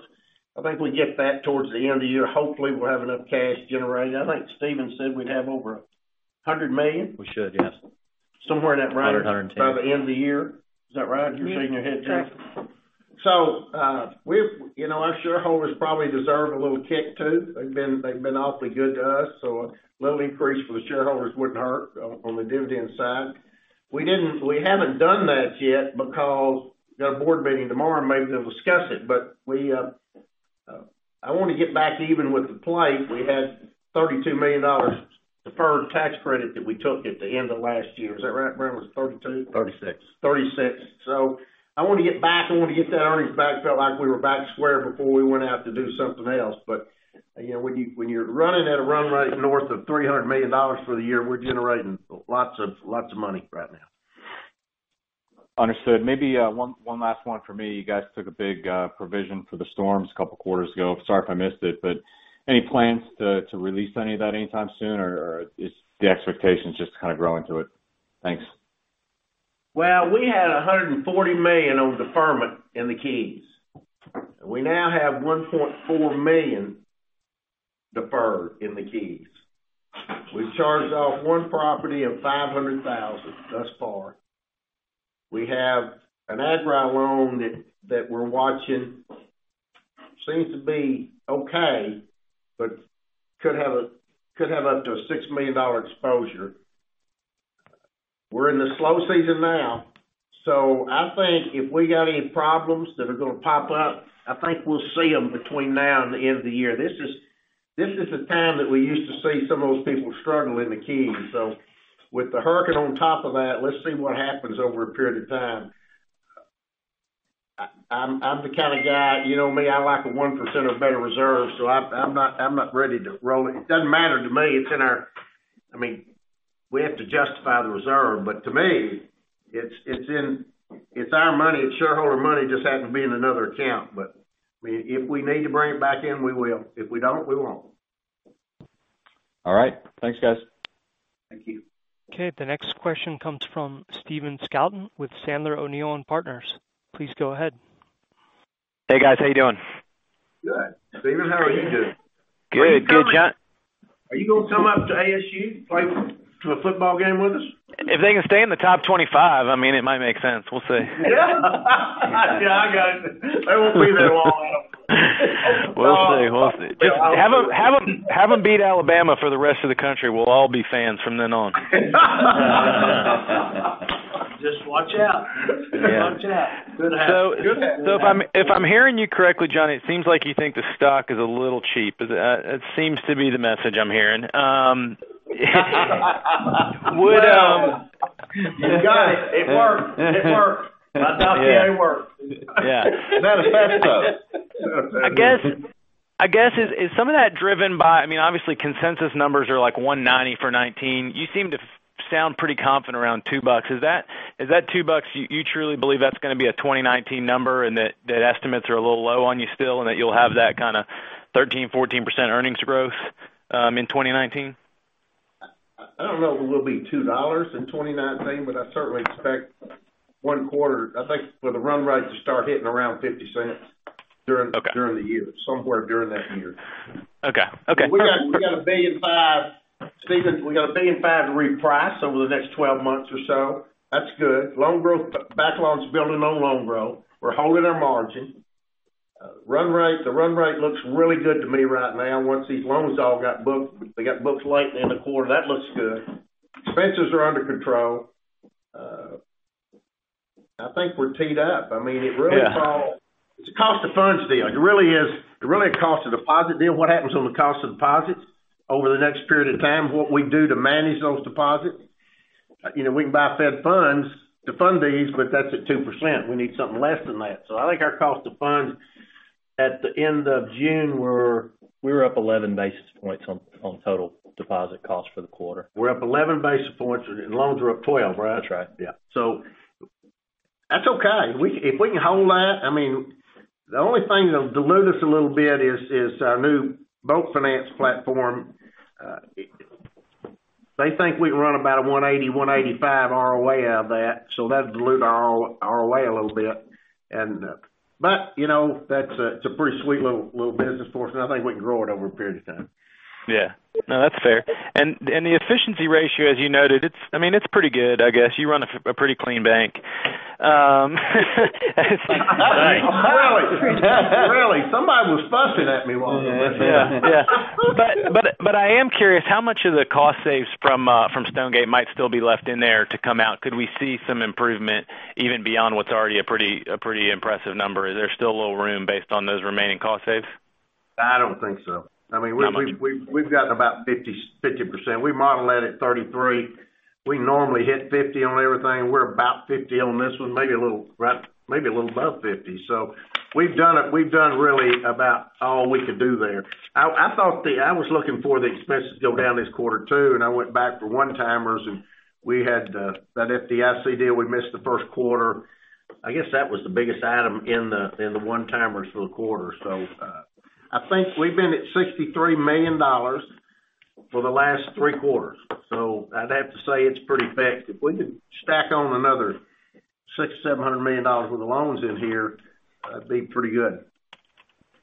[SPEAKER 2] I think we get that towards the end of the year. Hopefully, we'll have enough cash generated. I think Steven said we'd have over 100 million.
[SPEAKER 7] We should, yes.
[SPEAKER 2] Somewhere in that range.
[SPEAKER 7] 100, 110.
[SPEAKER 2] by the end of the year. Is that right? You're shaking your head too.
[SPEAKER 16] Yeah.
[SPEAKER 2] Our shareholders probably deserve a little kick too. They've been awfully good to us, so a little increase for the shareholders wouldn't hurt on the dividend side. We haven't done that yet because we've got a board meeting tomorrow, maybe they'll discuss it. I want to get back even with the play. We had $32 million deferred tax credit that we took at the end of last year. Is that right, Brian? Was it 32?
[SPEAKER 9] 36.
[SPEAKER 2] 36. I want to get back. I want to get that earnings back felt like we were back square before we went out to do something else. When you're running at a run rate north of $300 million for the year, we're generating lots of money right now.
[SPEAKER 15] Understood. Maybe one last one for me. You guys took a big provision for the storms a couple of quarters ago. Sorry if I missed it, but any plans to release any of that anytime soon, or is the expectation just to kind of grow into it? Thanks.
[SPEAKER 2] Well, we had $140 million of deferment in the Keys. We now have $1.4 million deferred in the Keys. We charged off one property of $500,000 thus far. We have an agri loan that we're watching. Seems to be okay, but could have up to a $6 million exposure. We're in the slow season now, so I think if we got any problems that are going to pop up, I think we'll see them between now and the end of the year. This is the time that we used to see some of those people struggle in the Keys. With the hurricane on top of that, let's see what happens over a period of time. I'm the kind of guy, you know me, I like a 1% or better reserve, so I'm not ready to roll it. It doesn't matter to me. We have to justify the reserve, to me, it's our money, it's shareholder money, just happens to be in another account. If we need to bring it back in, we will. If we don't, we won't.
[SPEAKER 15] All right. Thanks, guys.
[SPEAKER 2] Thank you.
[SPEAKER 1] Okay, the next question comes from Stephen Scouten with Sandler O'Neill & Partners. Please go ahead.
[SPEAKER 17] Hey, guys. How you doing?
[SPEAKER 2] Good. Stephen, how are you doing?
[SPEAKER 17] Good. Good, John.
[SPEAKER 2] Are you going to come up to ASU to play, to the football game with us?
[SPEAKER 17] If they can stay in the top 25, it might make sense. We'll see.
[SPEAKER 2] Yeah, I got it. They won't be there long, I hope.
[SPEAKER 17] We'll see. Have them beat Alabama for the rest of the country. We'll all be fans from then on.
[SPEAKER 7] Just watch out.
[SPEAKER 17] Yeah.
[SPEAKER 7] Watch out.
[SPEAKER 2] Good ask.
[SPEAKER 17] If I'm hearing you correctly, Johnny, it seems like you think the stock is a little cheap. That seems to be the message I'm hearing.
[SPEAKER 2] You got it. It worked. My doctor, they work.
[SPEAKER 15] Yeah. Manifesto.
[SPEAKER 2] Manifesto.
[SPEAKER 17] I guess is some of that driven by. Obviously, consensus numbers are like $1.90 for 2019. You seem to sound pretty confident around $2. Is that $2, you truly believe that's going to be a 2019 number and that estimates are a little low on you still and that you'll have that kind of 13%-14% earnings growth in 2019?
[SPEAKER 2] I don't know if it will be $2 in 2019, but I certainly expect one quarter, I think, for the run rate to start hitting around $0.50 during.
[SPEAKER 17] Okay
[SPEAKER 2] during the year, somewhere during that year.
[SPEAKER 17] Okay.
[SPEAKER 2] We got $1.5 billion, Steven. We got $1.5 billion to reprice over the next 12 months or so. That's good. Loan growth, back loans building on loan growth. We're holding our margin. The run rate looks really good to me right now once these loans all got booked. They got booked late in the quarter. That looks good. Expenses are under control. I think we're teed up. It really falls.
[SPEAKER 17] Yeah.
[SPEAKER 2] It's a cost of funds deal. It really is. It really a cost of deposit deal. What happens on the cost of deposits over the next period of time, what we do to manage those deposits. We can buy Fed funds to fund these, but that's at 2%. We need something less than that. I think our cost of funds At the end of June, we were-
[SPEAKER 9] We were up 11 basis points on total deposit cost for the quarter.
[SPEAKER 2] We're up 11 basis points, loans are up 12, right?
[SPEAKER 9] That's right, yeah.
[SPEAKER 2] That's okay. If we can hold that. The only thing that'll dilute us a little bit is our new boat finance platform. They think we can run about a 180, 185 ROA out of that, so that'd dilute our ROA a little bit. It's a pretty sweet little business for us, and I think we can grow it over a period of time.
[SPEAKER 17] Yeah. No, that's fair. The efficiency ratio, as you noted, it's pretty good, I guess. You run a pretty clean bank.
[SPEAKER 2] Thanks.
[SPEAKER 9] Really? Somebody was busting at me while I was listening.
[SPEAKER 17] Yeah. I am curious, how much of the cost saves from Stonegate might still be left in there to come out? Could we see some improvement even beyond what's already a pretty impressive number? Is there still a little room based on those remaining cost saves?
[SPEAKER 2] I don't think so.
[SPEAKER 17] How much?
[SPEAKER 2] We've gotten about 50%. We model that at 33. We normally hit 50 on everything. We're about 50 on this one, maybe a little above 50. We've done really about all we could do there. I was looking for the expenses to go down this quarter too, and I went back for one-timers, and we had that FDIC deal we missed the first quarter. I guess that was the biggest item in the one-timers for the quarter. I think we've been at $63 million for the last three quarters, so I'd have to say it's pretty fixed. If we can stack on another $600 million-$700 million worth of loans in here, that'd be pretty good.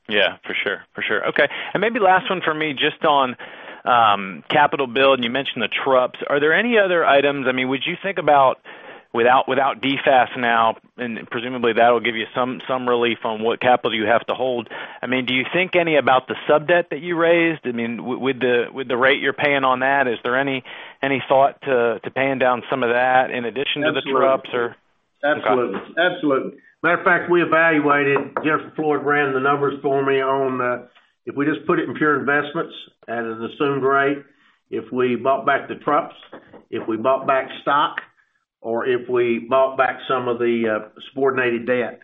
[SPEAKER 17] Yeah, for sure. Okay. Maybe last one from me, just on capital build, and you mentioned the TRUP. Are there any other items, would you think about without DFAST now, and presumably that'll give you some relief on what capital you have to hold. Do you think any about the sub-debt that you raised? With the rate you're paying on that, is there any thought to paying down some of that in addition to the TRUPs or-
[SPEAKER 2] Absolutely. Matter of fact, we evaluated, Jennifer Floyd ran the numbers for me on that. If we just put it in pure investments at an assumed rate, if we bought back the TRUPs, if we bought back stock, or if we bought back some of the subordinated debt.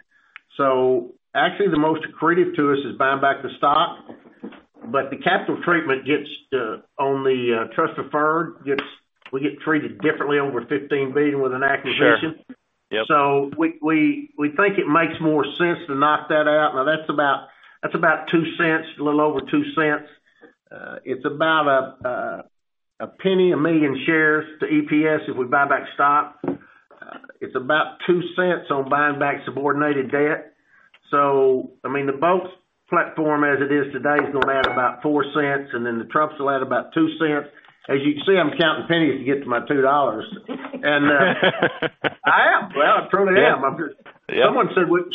[SPEAKER 2] Actually, the most accretive to us is buying back the stock, but the capital treatment on the trust preferred, we get treated differently over $15 billion with an acquisition.
[SPEAKER 17] Sure. Yep.
[SPEAKER 2] We think it makes more sense to knock that out. Now, that's about $0.02, a little over $0.02. It's about $0.01 a 1 million shares to EPS if we buy back stock. It's about $0.02 on buying back subordinated debt. The boats platform as it is today is going to add about $0.04, and then the TRUPs will add about $0.02. As you can see, I'm counting pennies to get to my $2. And I am. Well, I truly am.
[SPEAKER 17] Yeah.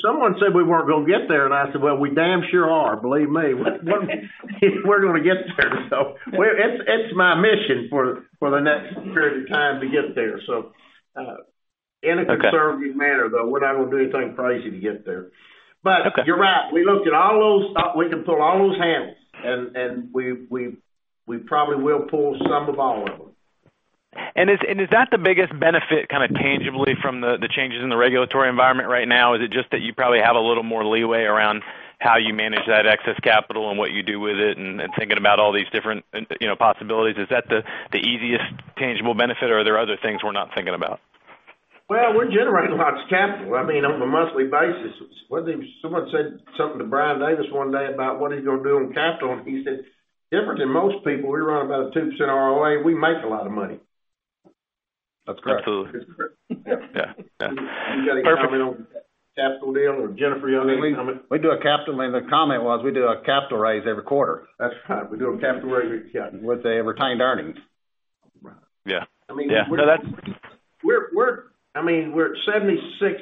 [SPEAKER 2] Someone said we weren't going to get there, and I said, "Well, we damn sure are, believe me." We're going to get there, so it's my mission for the next period of time to get there.
[SPEAKER 17] Okay.
[SPEAKER 2] In a conservative manner, though. We're not going to do anything crazy to get there.
[SPEAKER 17] Okay.
[SPEAKER 2] You're right, we looked at all those. We can pull all those handles, and we probably will pull some of all of them.
[SPEAKER 17] Is that the biggest benefit kind of tangibly from the changes in the regulatory environment right now? Is it just that you probably have a little more leeway around how you manage that excess capital and what you do with it, and thinking about all these different possibilities? Is that the easiest tangible benefit, or are there other things we're not thinking about?
[SPEAKER 2] Well, we're generating lots of capital, on a monthly basis. Someone said something to Brian Davis one day about what he's going to do on capital, and he said, "Different than most people, we run about a 2% ROA. We make a lot of money.
[SPEAKER 17] That's correct.
[SPEAKER 9] Absolutely.
[SPEAKER 2] Isn't that correct?
[SPEAKER 17] Yeah.
[SPEAKER 2] You got any comment on the capital deal, or Jennifer, you want to make a comment?
[SPEAKER 9] The comment was, we do a capital raise every quarter.
[SPEAKER 2] That's right. We do a capital raise every. Yeah.
[SPEAKER 9] With the retained earnings.
[SPEAKER 2] Right.
[SPEAKER 17] Yeah.
[SPEAKER 2] We're at $76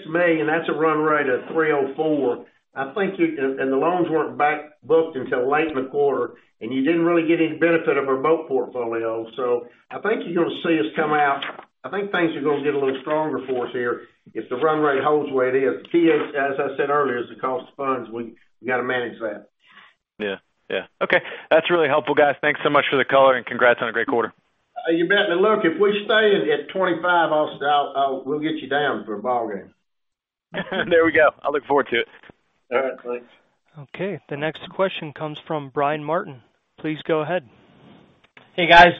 [SPEAKER 2] million. That's a run rate of $304. The loans weren't back booked until late in the quarter, you didn't really get any benefit of our boat portfolio. I think you're going to see us come out I think things are going to get a little stronger for us here if the run rate holds where it is. The key, as I said earlier, is the cost of funds. We got to manage that.
[SPEAKER 17] Yeah. Okay. That's really helpful, guys. Thanks so much for the color, congrats on a great quarter.
[SPEAKER 2] You bet. Now look, if we stay at 25, Austin, we'll get you down for a ball game.
[SPEAKER 17] There we go. I look forward to it.
[SPEAKER 2] All right. Thanks.
[SPEAKER 1] Okay, the next question comes from Brian Martin. Please go ahead.
[SPEAKER 18] Hey, guys.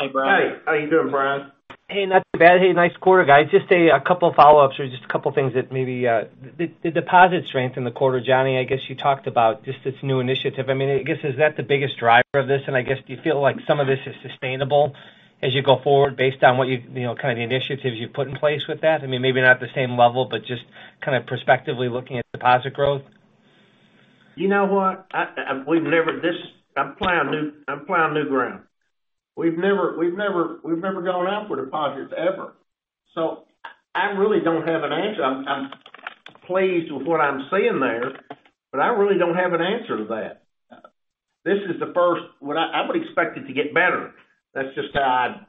[SPEAKER 2] Hey, Brian.
[SPEAKER 9] Hey, how you doing, Brian?
[SPEAKER 18] Hey, not too bad. Hey, nice quarter, guys. Just a couple follow-ups or just a couple things that maybe The deposit strength in the quarter, Johnny, I guess you talked about just this new initiative. I guess, is that the biggest driver of this? I guess, do you feel like some of this is sustainable as you go forward based on kind of the initiatives you've put in place with that? Maybe not at the same level, but just kind of prospectively looking at deposit growth?
[SPEAKER 2] You know what? I'm plowing new ground. We've never gone out for deposits ever. I really don't have an answer. I'm pleased with what I'm seeing there, but I really don't have an answer to that. This is the first I would expect it to get better. That's just how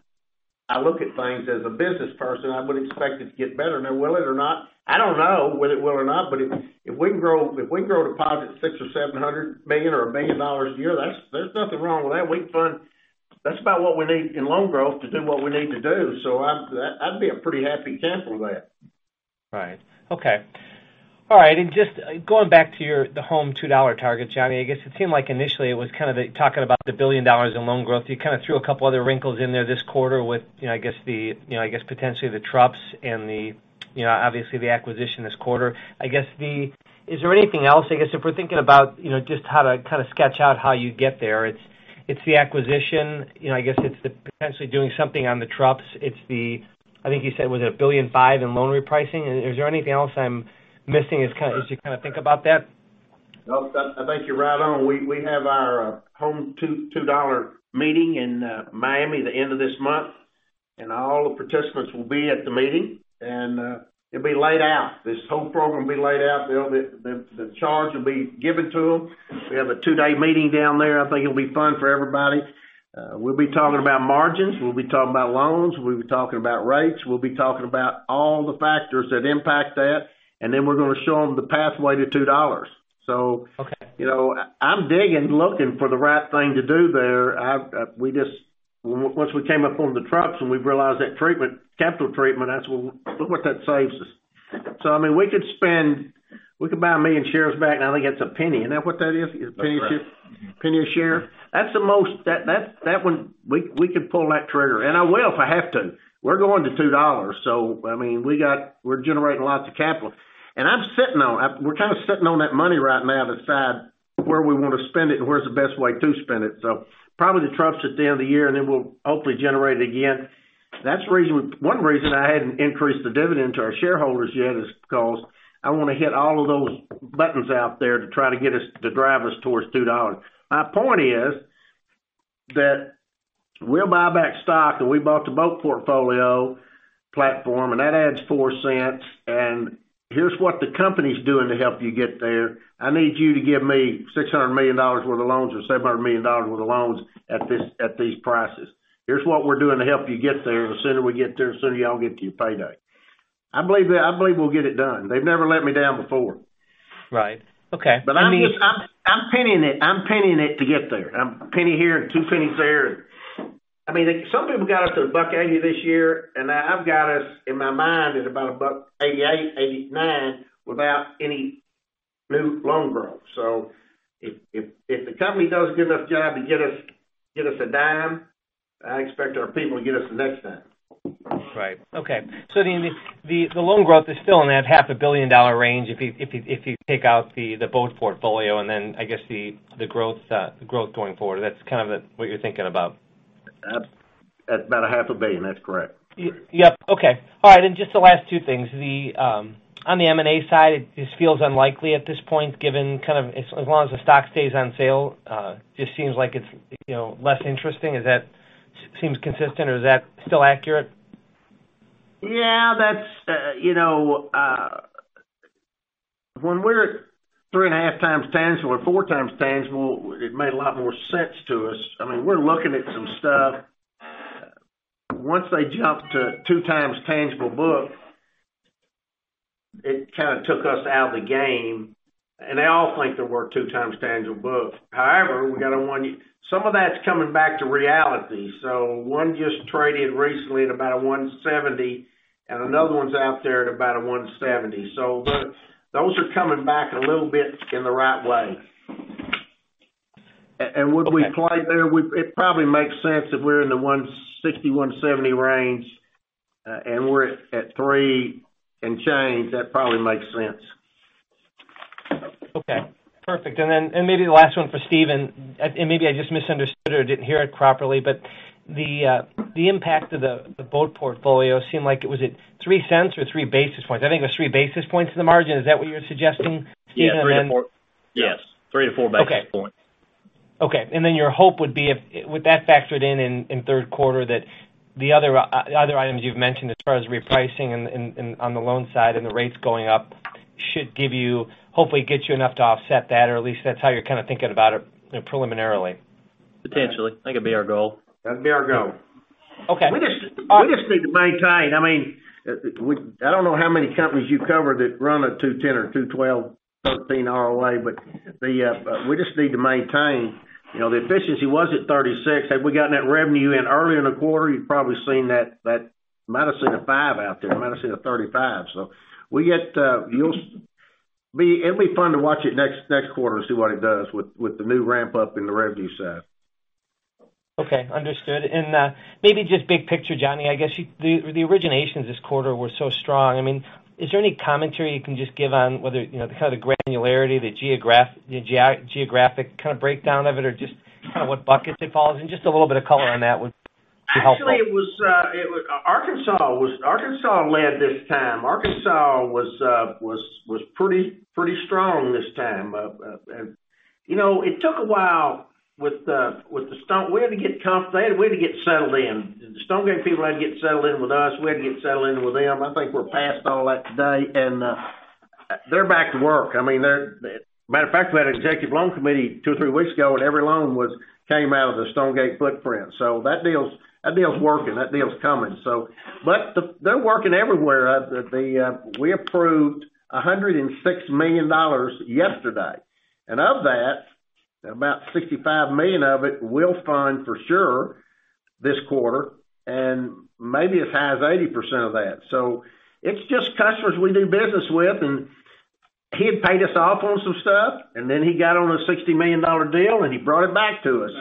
[SPEAKER 2] I look at things as a business person. I would expect it to get better. Will it or not? I don't know whether it will or not, but if we can grow deposits $600 million or $700 million or $1 billion a year, there's nothing wrong with that. That's about what we need in loan growth to do what we need to do. I'd be a pretty happy camper there.
[SPEAKER 18] Right. Okay. All right, just going back to your Home to $2 target, Johnny, I guess it seemed like initially it was kind of talking about the $1 billion in loan growth. You kind of threw a couple other wrinkles in there this quarter with, I guess, potentially, the TRUP and obviously, the acquisition this quarter. Is there anything else, I guess, if we're thinking about just how to kind of sketch out how you'd get there? It's the acquisition, I guess it's potentially doing something on the TRUPs. It's the, I think you said, was it $1.5 billion in loan repricing? Is there anything else I'm missing as you kind of think about that?
[SPEAKER 2] No, I think you're right on. We have our Home to $2 meeting in Miami at the end of this month, all the participants will be at the meeting, and it'll be laid out. This whole program will be laid out. The charge will be given to them. We have a two-day meeting down there. I think it'll be fun for everybody. We'll be talking about margins, we'll be talking about loans, we'll be talking about rates, we'll be talking about all the factors that impact that, then we're going to show them the pathway to $2.
[SPEAKER 18] Okay.
[SPEAKER 2] I'm digging, looking for the right thing to do there. Once we came up on the TRUPs and we realized that capital treatment, look what that saves us. We could buy 1 million shares back, and I think that's $0.01. Isn't that what that is?
[SPEAKER 7] That's right. Mm-hmm.
[SPEAKER 2] A $0.01 a share? We could pull that trigger, and I will if I have to. We're going to $2. We're generating lots of capital. We're kind of sitting on that money right now, to decide where we want to spend it and where's the best way to spend it. Probably the TRUPs at the end of the year, and then we'll hopefully generate it again. One reason I hadn't increased the dividend to our shareholders yet is because I want to hit all of those buttons out there to try to drive us towards $2. My point is that we'll buy back stock, and we bought the Boat portfolio platform, and that adds $0.04, and here's what the company's doing to help you get there. I need you to give me $600 million worth of loans or $700 million worth of loans at these prices. Here's what we're doing to help you get there. The sooner we get there, the sooner y'all get to your payday. I believe we'll get it done. They've never let me down before.
[SPEAKER 18] Right. Okay.
[SPEAKER 2] I'm penning it. I'm penning it to get there. A penny here and two pennies there. Some people got us to a $1.80 this year, and I've got us, in my mind, at about a $1.88, $1.89, without any new loan growth. If the company does a good enough job to get us a $0.10, I expect our people to get us the next $0.10.
[SPEAKER 18] Right. Okay. The loan growth is still in that $0.5 billion range if you take out the Boat portfolio, I guess the growth going forward, that's kind of what you're thinking about.
[SPEAKER 2] At about a $0.5 billion. That's correct.
[SPEAKER 18] Yep. Okay. All right, just the last two things. On the M&A side, it just feels unlikely at this point, as long as the stock stays on sale, just seems like it's less interesting. It seems consistent, or is that still accurate?
[SPEAKER 2] Yeah. When we're at 3.5 times tangible or four times tangible, it made a lot more sense to us. We're looking at some stuff. Once they jumped to two times tangible book, it kind of took us out of the game, and they all think they're worth two times tangible book. However, some of that's coming back to reality. One just traded recently at about a 170, and another one's out there at about a 170. Those are coming back a little bit in the right way.
[SPEAKER 18] Okay.
[SPEAKER 2] Would we play there? It probably makes sense if we're in the 160-170 range, and we're at three and change, that probably makes sense.
[SPEAKER 18] Okay, perfect. Maybe the last one for Stephen, maybe I just misunderstood or didn't hear it properly, but the impact of the Boat portfolio seemed like, was it $0.03 or three basis points? I think it was three basis points in the margin. Is that what you're suggesting, Stephen?
[SPEAKER 7] Yeah, three to four. Yes. Three to four basis points.
[SPEAKER 18] Okay. Your hope would be, with that factored in third quarter, that the other items you've mentioned as far as repricing on the loan side and the rates going up should hopefully get you enough to offset that, or at least that's how you're kind of thinking about it preliminarily.
[SPEAKER 7] Potentially. I think it'd be our goal.
[SPEAKER 2] That'd be our goal.
[SPEAKER 18] Okay.
[SPEAKER 2] We just need to maintain. I don't know how many companies you cover that run a 210 or 212, 13 ROA, we just need to maintain. The efficiency was at 36. Had we gotten that revenue in earlier in the quarter, you might've seen a five out there. Might've seen a 35. It'll be fun to watch it next quarter and see what it does with the new ramp-up in the revenue side.
[SPEAKER 18] Okay. Understood. Maybe just big picture, Johnny, I guess the originations this quarter were so strong. Is there any commentary you can just give on whether the kind of granularity, the geographic kind of breakdown of it or just kind of what buckets it falls in? Just a little bit of color on that would be helpful.
[SPEAKER 2] Actually, Arkansas led this time. Arkansas was pretty strong this time. It took a while. We had to get settled in. The Stonegate people had to get settled in with us. We had to get settled in with them. I think we're past all that today, and they're back to work. Matter of fact, we had an executive loan committee two or three weeks ago, and every loan came out of the Stonegate footprint. That deal's working. That deal's coming. They're working everywhere. We approved $106 million yesterday. Of that, about $65 million of it we'll fund for sure this quarter, and maybe as high as 80% of that. It's just customers we do business with, and he had paid us off on some stuff, and then he got on a $60 million deal, and he brought it back to us.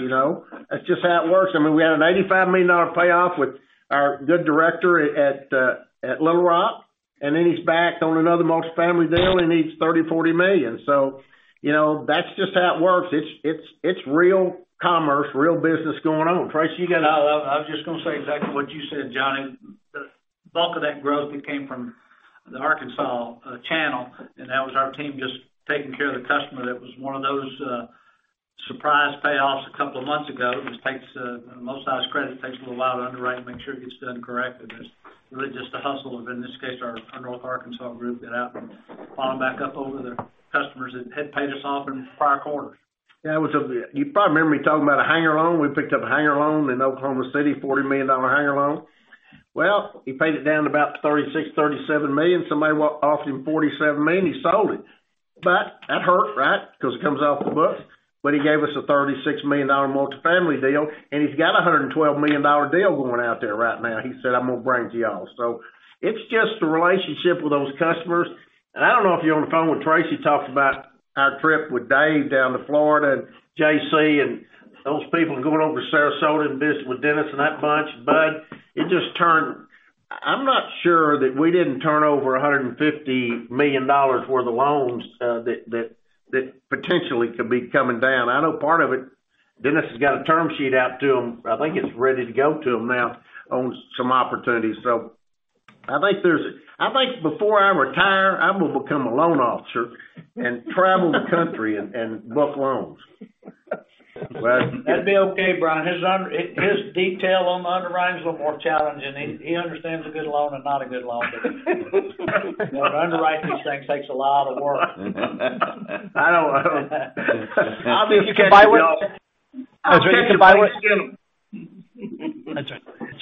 [SPEAKER 2] That's just how it works. We had an $85 million payoff with our good director at Little Rock, and then he's back on another multi-family deal, and he's $30, $40 million. That's just how it works. It's real commerce, real business going on. Tracy, you got-
[SPEAKER 12] I was just going to say exactly what you said, Johnny. The bulk of that growth, it came from the Arkansas channel, and that was our team just taking care of the customer. That was one of those surprise payoffs a couple of months ago. Most of this credit takes a little while to underwrite and make sure it gets done correctly. That's really just the hustle of, in this case, our North Arkansas group got out and followed back up over the customers that had paid us off in the prior quarter.
[SPEAKER 2] Yeah. You probably remember me talking about a hangar loan. We picked up a hangar loan in Oklahoma City, a $40 million hangar loan. Well, he paid it down to about $36 million, $37 million. Somebody walked, offered him $47 million, he sold it. That hurt, right? Because it comes off the books. He gave us a $36 million multi-family deal, and he's got a $112 million deal going out there right now, he said, "I'm going to bring it to y'all." It's just the relationship with those customers, and I don't know if you were on the phone when Tracy French talked about our trip with Dave Seleski down to Florida, and JC and those people, and going over to Sarasota and visiting with Dennis and that bunch, and Bud. I'm not sure that we didn't turn over $150 million worth of loans that potentially could be coming down. I know part of it, Dennis has got a term sheet out to them. I think it's ready to go to them now on some opportunities. I think before I retire, I'm going to become a loan officer and travel the country and book loans.
[SPEAKER 12] That'd be okay, Brian. His detail on underwriting is a little more challenging. He understands a good loan and not a good loan. Underwriting these things takes a lot of work.
[SPEAKER 2] I know.
[SPEAKER 12] Obviously, you can buy one.
[SPEAKER 18] That's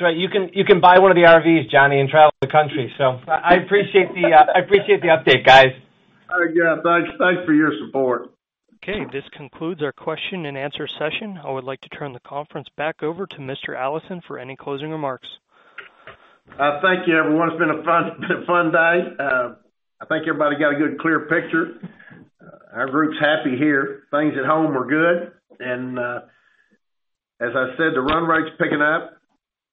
[SPEAKER 18] right. You can buy one of the RVs, Johnny, and travel the country. I appreciate the update, guys.
[SPEAKER 2] Yeah, thanks for your support.
[SPEAKER 1] Okay. This concludes our question and answer session. I would like to turn the conference back over to Mr. Allison for any closing remarks.
[SPEAKER 2] Thank you, everyone. It's been a fun day. I think everybody got a good, clear picture. Our group's happy here. Things at Home are good. As I said, the run rate's picking up.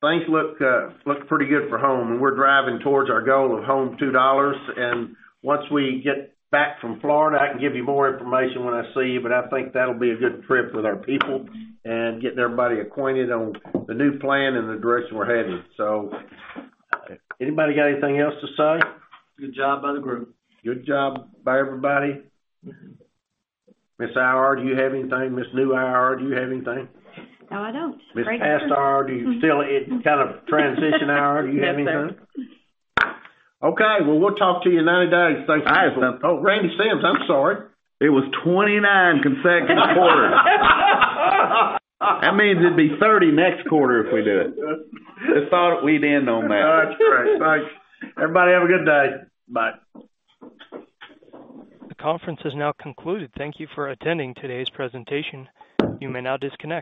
[SPEAKER 2] Things look pretty good for Home. We're driving towards our goal of Home to $2. Once we get back from Florida, I can give you more information when I see you, but I think that'll be a good trip with our people and getting everybody acquainted on the new plan and the direction we're heading. Anybody got anything else to say?
[SPEAKER 12] Good job by the group.
[SPEAKER 2] Good job by everybody. Ms. IR, do you have anything? Ms. New IR, do you have anything?
[SPEAKER 19] No, I don't.
[SPEAKER 2] Ms. Past IR, it's kind of transition IR. Do you have anything?
[SPEAKER 19] Nothing.
[SPEAKER 2] Okay. Well, we'll talk to you in 90 days. Thanks.
[SPEAKER 3] I have something.
[SPEAKER 2] Oh, Randy Sims, I'm sorry.
[SPEAKER 3] It was 29 consecutive quarters. That means it'd be 30 next quarter if we do it. Just thought we'd end on that.
[SPEAKER 2] That's great. Thanks. Everybody have a good day. Bye.
[SPEAKER 1] The conference has now concluded. Thank you for attending today's presentation. You may now disconnect.